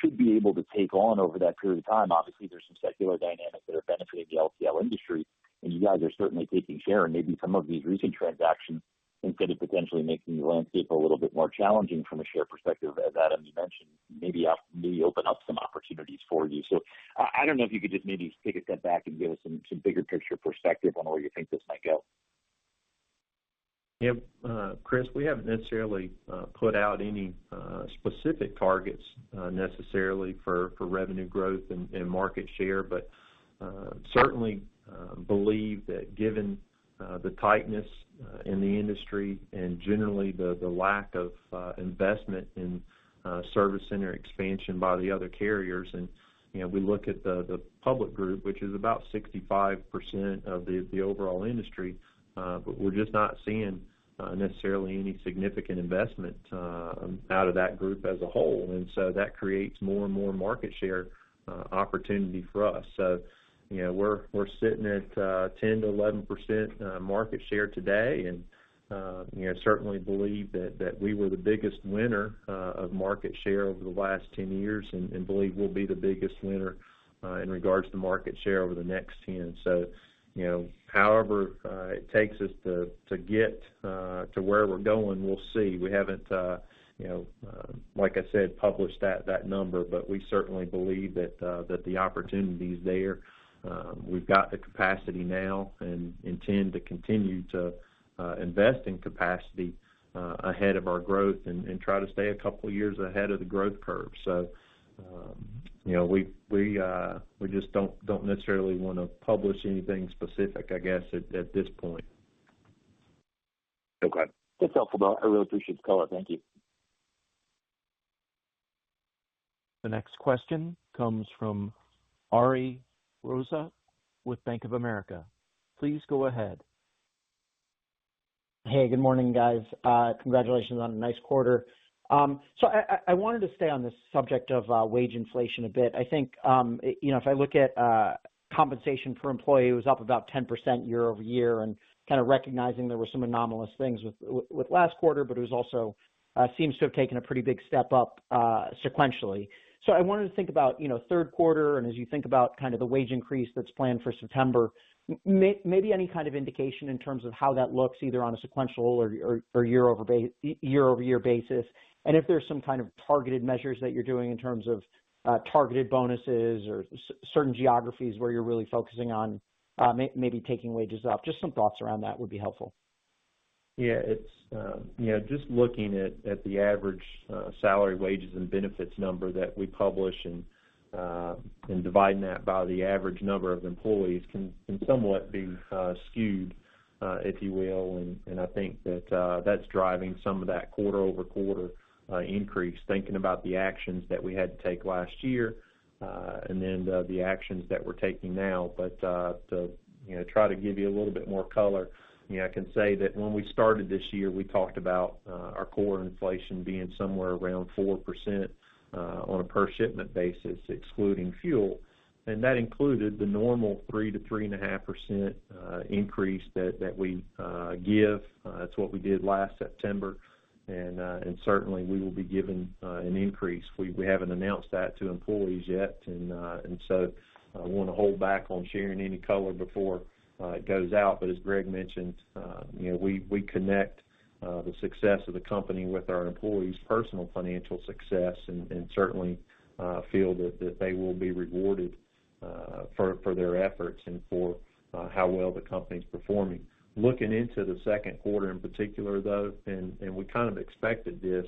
should be able to take on over that period of time? Obviously, there's some secular dynamics that are benefiting the LTL industry, and you guys are certainly taking share and maybe some of these recent transactions, instead of potentially making the landscape a little bit more challenging from a share perspective, as Adam, you mentioned, maybe open up some opportunities for you. I don't know if you could just maybe take a step back and give us some bigger picture perspective on where you think this might go. Chris, we haven't necessarily put out any specific targets necessarily for revenue growth and market share, certainly believe that given the tightness in the industry and generally the lack of investment in service center expansion by the other carriers, and we look at the public group, which is about 65% of the overall industry. We're just not seeing necessarily any significant investment out of that group as a whole, that creates more and more market share opportunity for us. We're sitting at 10% to 11% market share today, and certainly believe that we were the biggest winner of market share over the last 10 years and believe we'll be the biggest winner in regards to market share over the next 10. However it takes us to get to where we're going, we'll see. We haven't, like I said, published that number. We certainly believe that the opportunity is there. We've got the capacity now and intend to continue to invest in capacity ahead of our growth and try to stay a couple of years ahead of the growth curve. We just don't necessarily want to publish anything specific, I guess, at this point. That's helpful though. I really appreciate the color. Thank you. The next question comes from Ariel Rosa with Bank of America. Please go ahead. Hey, good morning, guys. Congratulations on a nice quarter. I wanted to stay on this subject of wage inflation a bit. I think, if I look at compensation per employee, it was up about 10% year-over-year and recognizing there were some anomalous things with last quarter, but it also seems to have taken a pretty big step up sequentially. I wanted to think about third quarter, and as you think about the wage increase that's planned for September, maybe any kind of indication in terms of how that looks, either on a sequential or year-over-year basis. If there's some kind of targeted measures that you're doing in terms of targeted bonuses or certain geographies where you're really focusing on maybe taking wages up. Just some thoughts around that would be helpful. Yeah. Just looking at the average salary, wages, and benefits number that we publish and dividing that by the average number of employees can somewhat be skewed, if you will. I think that's driving some of that quarter-over-quarter increase, thinking about the actions that we had to take last year, and then the actions that we're taking now. To try to give you a little bit more color, I can say that when we started this year, we talked about our core inflation being somewhere around 4% on a per shipment basis, excluding fuel. That included the normal 3% to 3.5% increase that we give. That's what we did last September. Certainly we will be giving an increase. We haven't announced that to employees yet, and so I want to hold back on sharing any color before it goes out. As Greg mentioned, we connect the success of the company with our employees' personal financial success and certainly feel that they will be rewarded for their efforts and for how well the company's performing. Looking into the second quarter in particular, though, and we kind of expected this,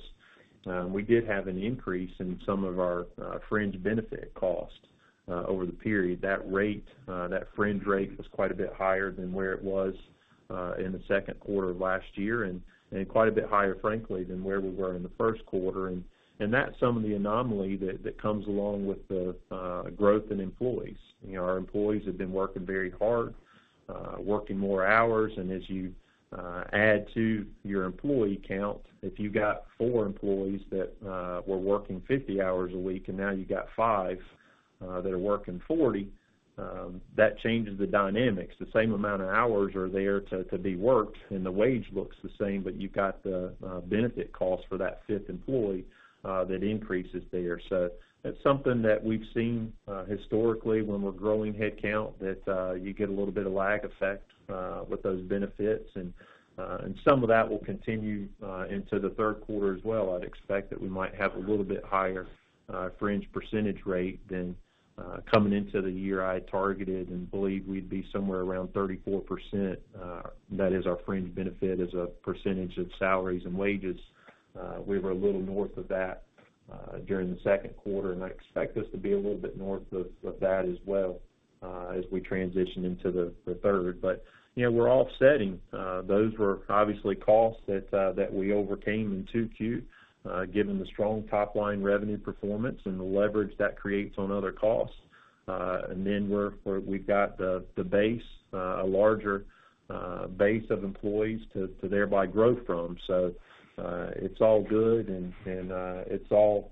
we did have an increase in some of our fringe benefit costs over the period. That fringe rate was quite a bit higher than where it was in the second quarter of last year and quite a bit higher, frankly, than where we were in the first quarter. That's some of the anomaly that comes along with the growth in employees. Our employees have been working very hard, working more hours. As you add to your employee count, if you've got four employees that were working 50 hours a week, and now you got five that are working 40, that changes the dynamics. The same amount of hours are there to be worked, and the wage looks the same, but you've got the benefit cost for that fifth employee that increases there. That's something that we've seen historically when we're growing headcount, that you get a little bit of lag effect with those benefits. Some of that will continue into the third quarter as well. I'd expect that we might have a little bit higher fringe percentage rate than coming into the year I had targeted and believed we'd be somewhere around 34%. That is our fringe benefit as a percentage of salaries and wages. We were a little north of that during the second quarter, and I expect us to be a little bit north of that as well as we transition into the third. We're offsetting. Those were obviously costs that we overcame in Q2, given the strong top-line revenue performance and the leverage that creates on other costs. We've got the base, a larger base of employees to thereby grow from. It's all good and it's all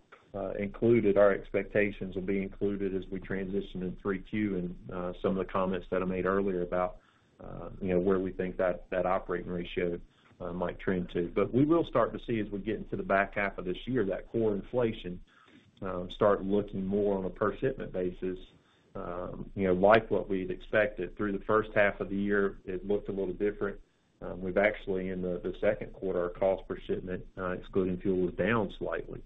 included. Our expectations will be included as we transition into Q3 and some of the comments that I made earlier about where we think that operating ratio might trend to. We will start to see as we get into the back half of this year, that core inflation start looking more on a per shipment basis, like what we'd expected. Through the first half of the year, it looked a little different. We've actually in the second quarter, our cost per shipment, excluding fuel, was down slightly.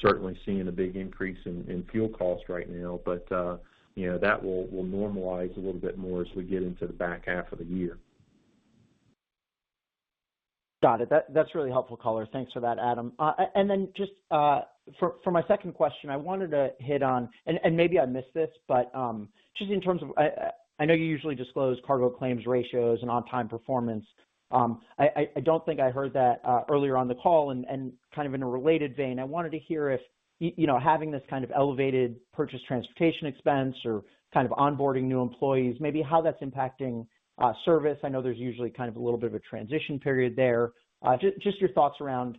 Certainly seeing a big increase in fuel cost right now, but that will normalize a little bit more as we get into the back half of the year. Got it. That's really helpful color. Thanks for that, Adam. Just for my second question, I wanted to hit on, and maybe I missed this, but just in terms of, I know you usually disclose cargo claims ratios and on-time performance. I don't think I heard that earlier on the call and kind of in a related vein, I wanted to hear if having this kind of elevated purchased transportation expense or onboarding new employees, maybe how that's impacting service. I know there's usually a little bit of a transition period there. Just your thoughts around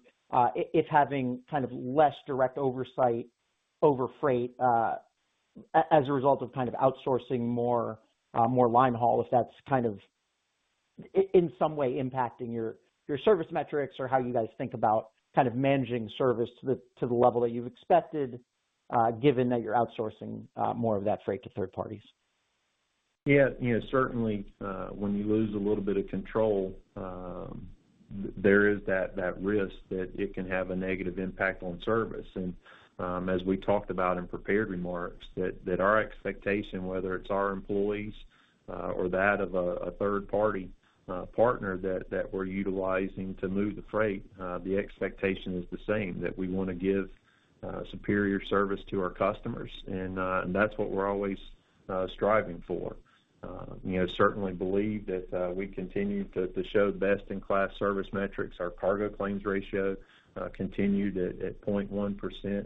if having less direct oversight over freight as a result of outsourcing more line haul, if that's in some way impacting your service metrics or how you guys think about managing service to the level that you've expected given that you're outsourcing more of that freight to third parties. Yeah. Certainly, when you lose a little bit of control, there is that risk that it can have a negative impact on service. As we talked about in prepared remarks, that our expectation, whether it's our employees or that of a third-party partner that we're utilizing to move the freight, the expectation is the same, that we want to give superior service to our customers. That's what we're always striving for. Certainly believe that we continue to show best-in-class service metrics. Our cargo claims ratio continued at 0.1%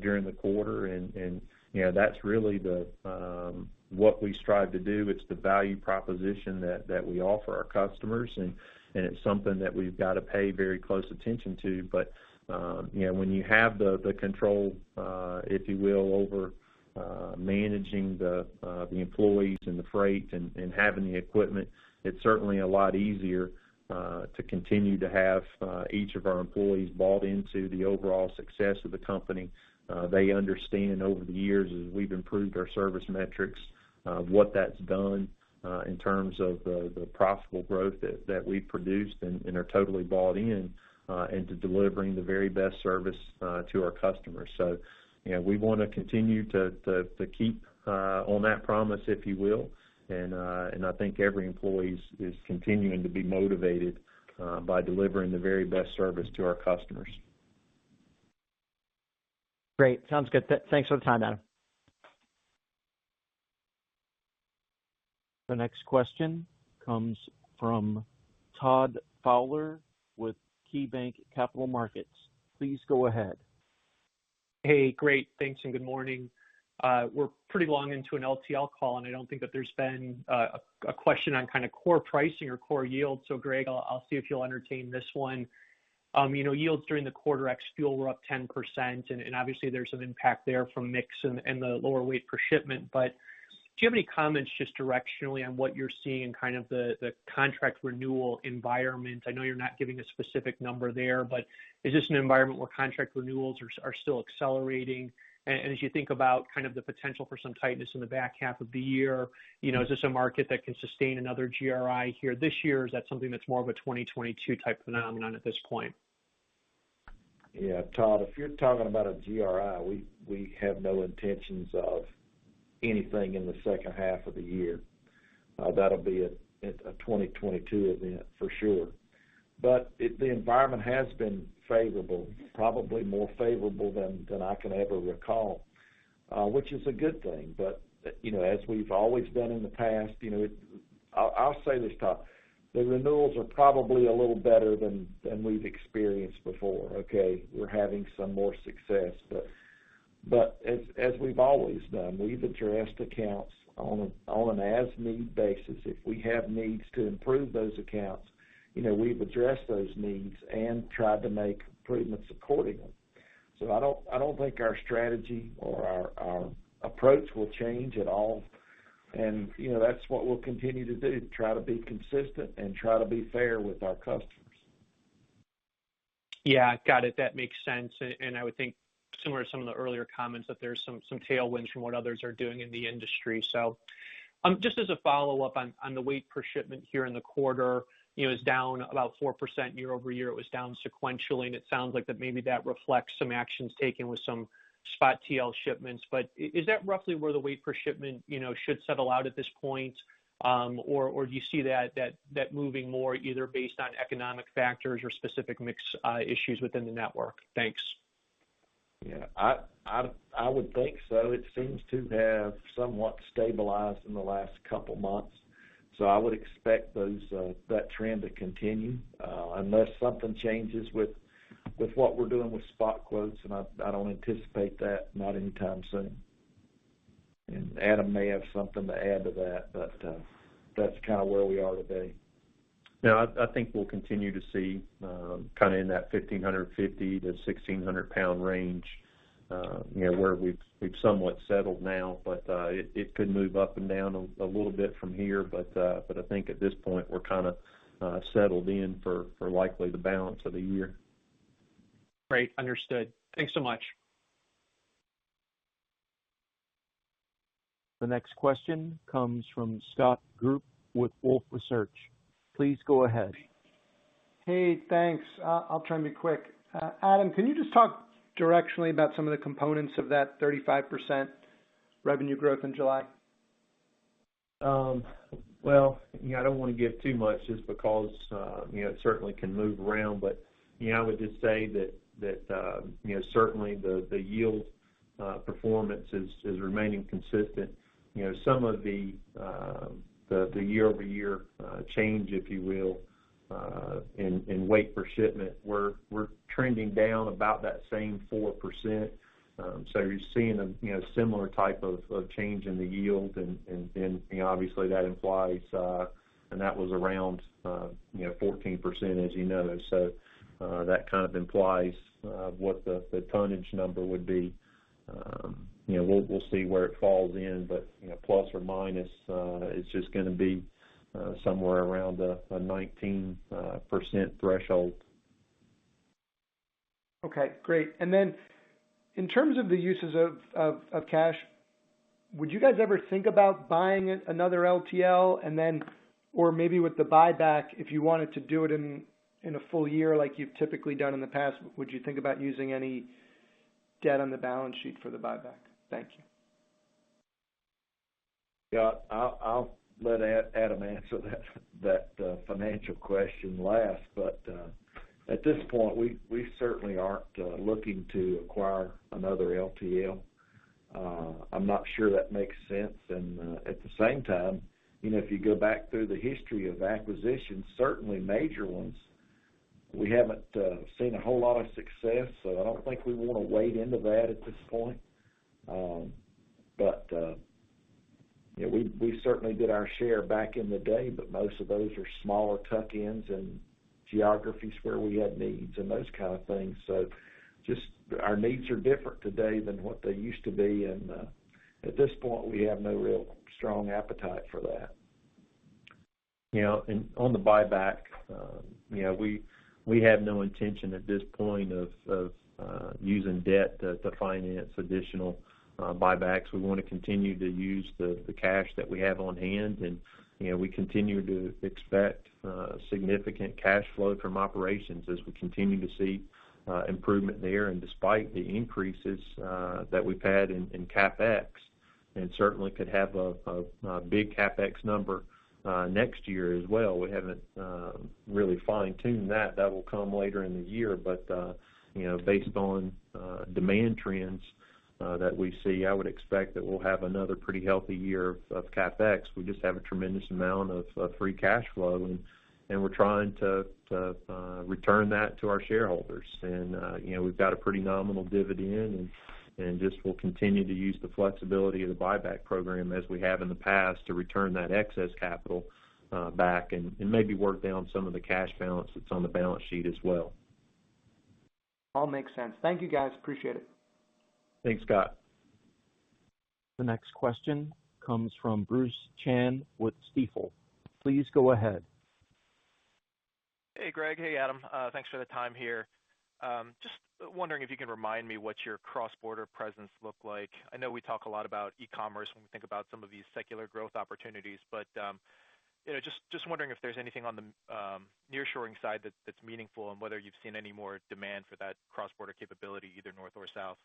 during the quarter, and that's really what we strive to do. It's the value proposition that we offer our customers, and it's something that we've got to pay very close attention to. When you have the control, if you will, over managing the employees and the freight and having the equipment, it's certainly a lot easier to continue to have each of our employees bought into the overall success of the company. They understand over the years, as we've improved our service metrics, what that's done in terms of the profitable growth that we've produced and are totally bought in to delivering the very best service to our customers. We want to continue to keep on that promise, if you will. I think every employee is continuing to be motivated by delivering the very best service to our customers. Great. Sounds good. Thanks for the time, Adam. The next question comes from Todd Fowler with KeyBanc Capital Markets. Please go ahead. Hey, great. Thanks. Good morning. We're pretty long into an LTL call. I don't think that there's been a question on core pricing or core yield. Greg, I'll see if you'll entertain this one. Yields during the quarter ex fuel were up 10%. Obviously there's some impact there from mix and the lower weight per shipment. Do you have any comments just directionally on what you're seeing, the contract renewal environment? I know you're not giving a specific number there. Is this an environment where contract renewals are still accelerating? As you think about the potential for some tightness in the back half of the year, is this a market that can sustain another GRI here this year, is that something that's more of a 2022 type phenomenon at this point? Yeah, Todd, if you're talking about a GRI, we have no intentions of anything in the second half of the year. That'll be a 2022 event for sure. The environment has been favorable, probably more favorable than I can ever recall. Which is a good thing, as we've always done in the past, I'll say this, Todd, the renewals are probably a little better than we've experienced before. Okay? We're having some more success, as we've always done, we've addressed accounts on an as-need basis. If we have needs to improve those accounts, we've addressed those needs and tried to make improvements accordingly. I don't think our strategy or our approach will change at all. That's what we'll continue to do, to try to be consistent and try to be fair with our customers. Yeah. Got it. That makes sense. I would think similar to some of the earlier comments, that there's some tailwinds from what others are doing in the industry. Just as a follow-up on the weight per shipment here in the quarter. It's down about 4% year-over-year. It was down sequentially, and it sounds like that maybe that reflects some actions taken with some spot TL shipments. Is that roughly where the weight per shipment should settle out at this point? Or do you see that moving more either based on economic factors or specific mix issues within the network? Thanks. Yeah. I would think so. It seems to have somewhat stabilized in the last couple of months, I would expect that trend to continue. Unless something changes with what we're doing with spot quotes, I don't anticipate that, not anytime soon. Adam may have something to add to that, That's where we are today. No, I think we'll continue to see in that 1,550 to 1,600 pound range, where we've somewhat settled now. It could move up and down a little bit from here, I think at this point, we're settled in for likely the balance of the year. Great, understood. Thanks so much. The next question comes from Scott Group with Wolfe Research. Please go ahead. Hey, thanks. I'll try and be quick. Adam, can you just talk directionally about some of the components of that 35% revenue growth in July? I don't want to give too much just because it certainly can move around. I would just say that certainly the yield performance is remaining consistent. Some of the year-over-year change, if you will, in weight per shipment, we're trending down about that same 4%. You're seeing a similar type of change in the yield, and obviously that implies-- and that was around 14%, as you know. That implies what the tonnage number would be. We'll see where it falls in, but ±, it's just going to be somewhere around a 19% threshold. Okay, great. In terms of the uses of cash, would you guys ever think about buying another LTL and then, or maybe with the buyback, if you wanted to do it in a full year like you've typically done in the past, would you think about using any? Debt on the balance sheet for the buyback? Thank you. Yeah. I'll let Adam answer that financial question last. At this point, we certainly aren't looking to acquire another LTL. I'm not sure that makes sense. At the same time, if you go back through the history of acquisitions, certainly major ones, we haven't seen a whole lot of success. I don't think we want to wade into that at this point. We certainly did our share back in the day, but most of those are smaller tuck-ins and geographies where we had needs and those kind of things. Just our needs are different today than what they used to be, and at this point, we have no real strong appetite for that. Yeah. On the buyback, we have no intention at this point of using debt to finance additional buybacks. We want to continue to use the cash that we have on hand, and we continue to expect significant cash flow from operations as we continue to see improvement there and despite the increases that we've had in CapEx, and certainly could have a big CapEx number next year as well. We haven't really fine-tuned that. That will come later in the year. Based on demand trends that we see, I would expect that we'll have another pretty healthy year of CapEx. We just have a tremendous amount of free cash flow, and we're trying to return that to our shareholders. We've got a pretty nominal dividend, and just we'll continue to use the flexibility of the buyback program as we have in the past to return that excess capital back and maybe work down some of the cash balance that's on the balance sheet as well. All makes sense. Thank you, guys. Appreciate it. Thanks, Scott. The next question comes from Bruce Chan with Stifel. Please go ahead. Hey, Greg. Hey, Adam. Thanks for the time here. Just wondering if you can remind me what your cross-border presence look like? I know we talk a lot about e-commerce when we think about some of these secular growth opportunities, but just wondering if there's anything on the nearshoring side that's meaningful, and whether you've seen any more demand for that cross-border capability, either north or south?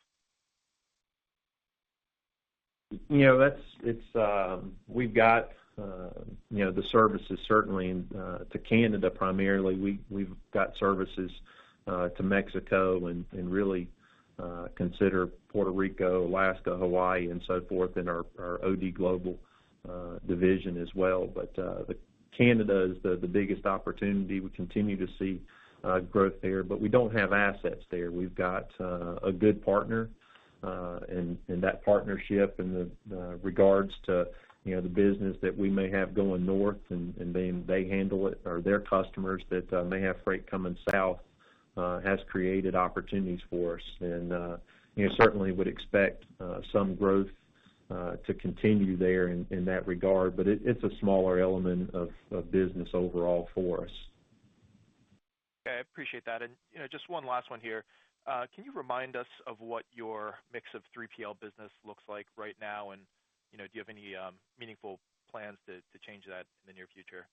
We've got the services certainly to Canada, primarily. We've got services to Mexico and really consider Puerto Rico, Alaska, Hawaii, and so forth in our OD Global division as well. Canada is the biggest opportunity. We continue to see growth there. We don't have assets there. We've got a good 1 partner. That partnership in the regards to the business that we may have going north and they handle it or their customers that may have freight coming south has created opportunities for us. Certainly would expect some growth to continue there in that regard. It's a smaller element of business overall for us. Okay. I appreciate that. Just one last one here. Can you remind us of what your mix of 3PL business looks like right now? Do you have any meaningful plans to change that in the near future?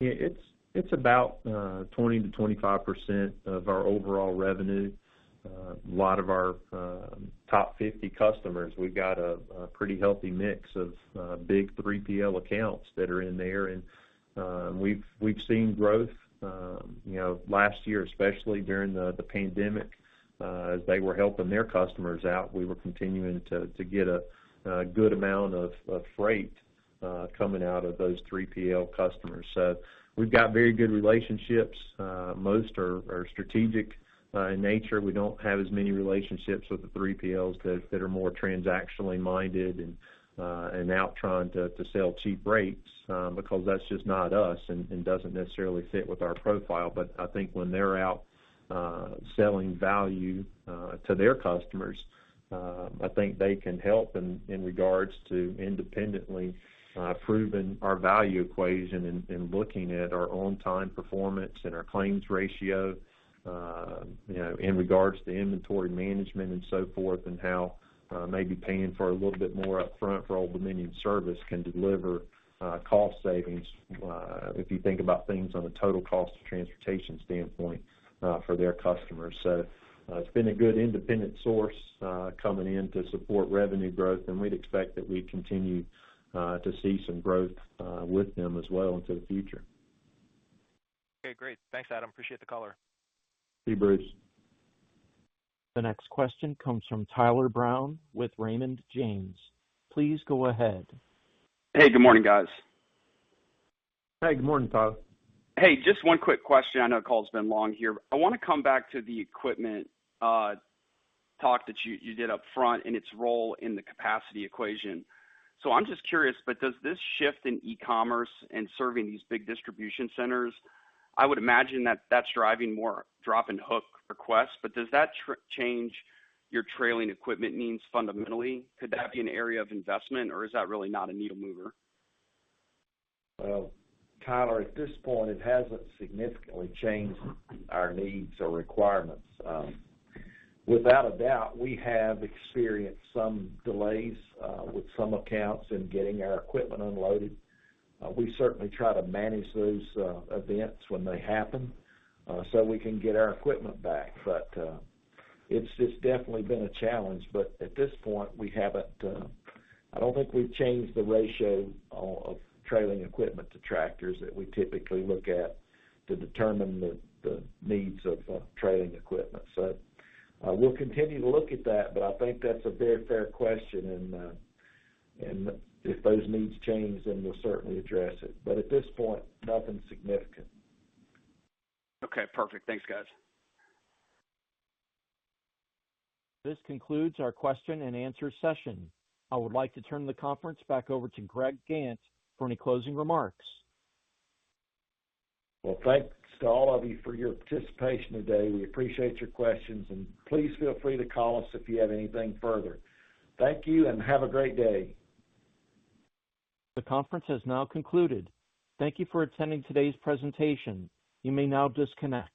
Yeah. It's about 20% to 25% of our overall revenue. A lot of our top 50 customers, we've got a pretty healthy mix of big 3PL accounts that are in there. We've seen growth last year, especially during the pandemic. As they were helping their customers out, we were continuing to get a good amount of freight coming out of those 3PL customers. We've got very good relationships. Most are strategic in nature. We don't have as many relationships with the 3PLs that are more transactionally minded and out trying to sell cheap rates because that's just not us and doesn't necessarily fit with our profile. I think when they're out selling value to their customers, I think they can help in regards to independently proving our value equation and looking at our on-time performance and our claims ratio in regards to inventory management and so forth, and how maybe paying for a little bit more upfront for Old Dominion service can deliver cost savings, if you think about things on a total cost of transportation standpoint for their customers. It's been a good independent source coming in to support revenue growth, and we'd expect that we continue to see some growth with them as well into the future. Okay, great. Thanks, Adam. Appreciate the call. See you, Bruce. The next question comes from Tyler Brown with Raymond James. Please go ahead. Hey, good morning, guys. Hey, good morning, Tyler. Hey, just one quick question. I know the call has been long here. I want to come back to the equipment talk that you did up front and its role in the capacity equation. I'm just curious, but does this shift in e-commerce and serving these big distribution centers, I would imagine that that's driving more drop and hook requests, but does that change your trailing equipment needs fundamentally? Could that be an area of investment, or is that really not a needle mover? Well, Tyler, at this point, it hasn't significantly changed our needs or requirements. Without a doubt, we have experienced some delays with some accounts in getting our equipment unloaded. We certainly try to manage those events when they happen so we can get our equipment back. It's just definitely been a challenge. At this point, I don't think we've changed the ratio of trailing equipment to tractors that we typically look at to determine the needs of trailing equipment. We'll continue to look at that, but I think that's a very fair question. If those needs change, then we'll certainly address it. At this point, nothing significant. Okay, perfect. Thanks, guys. This concludes our question and answer session. I would like to turn the conference back over to Greg Gantt for any closing remarks. Thanks to all of you for your participation today. We appreciate your questions, and please feel free to call us if you have anything further. Thank you, and have a great day. The conference has now concluded. Thank you for attending today's presentation. You may now disconnect.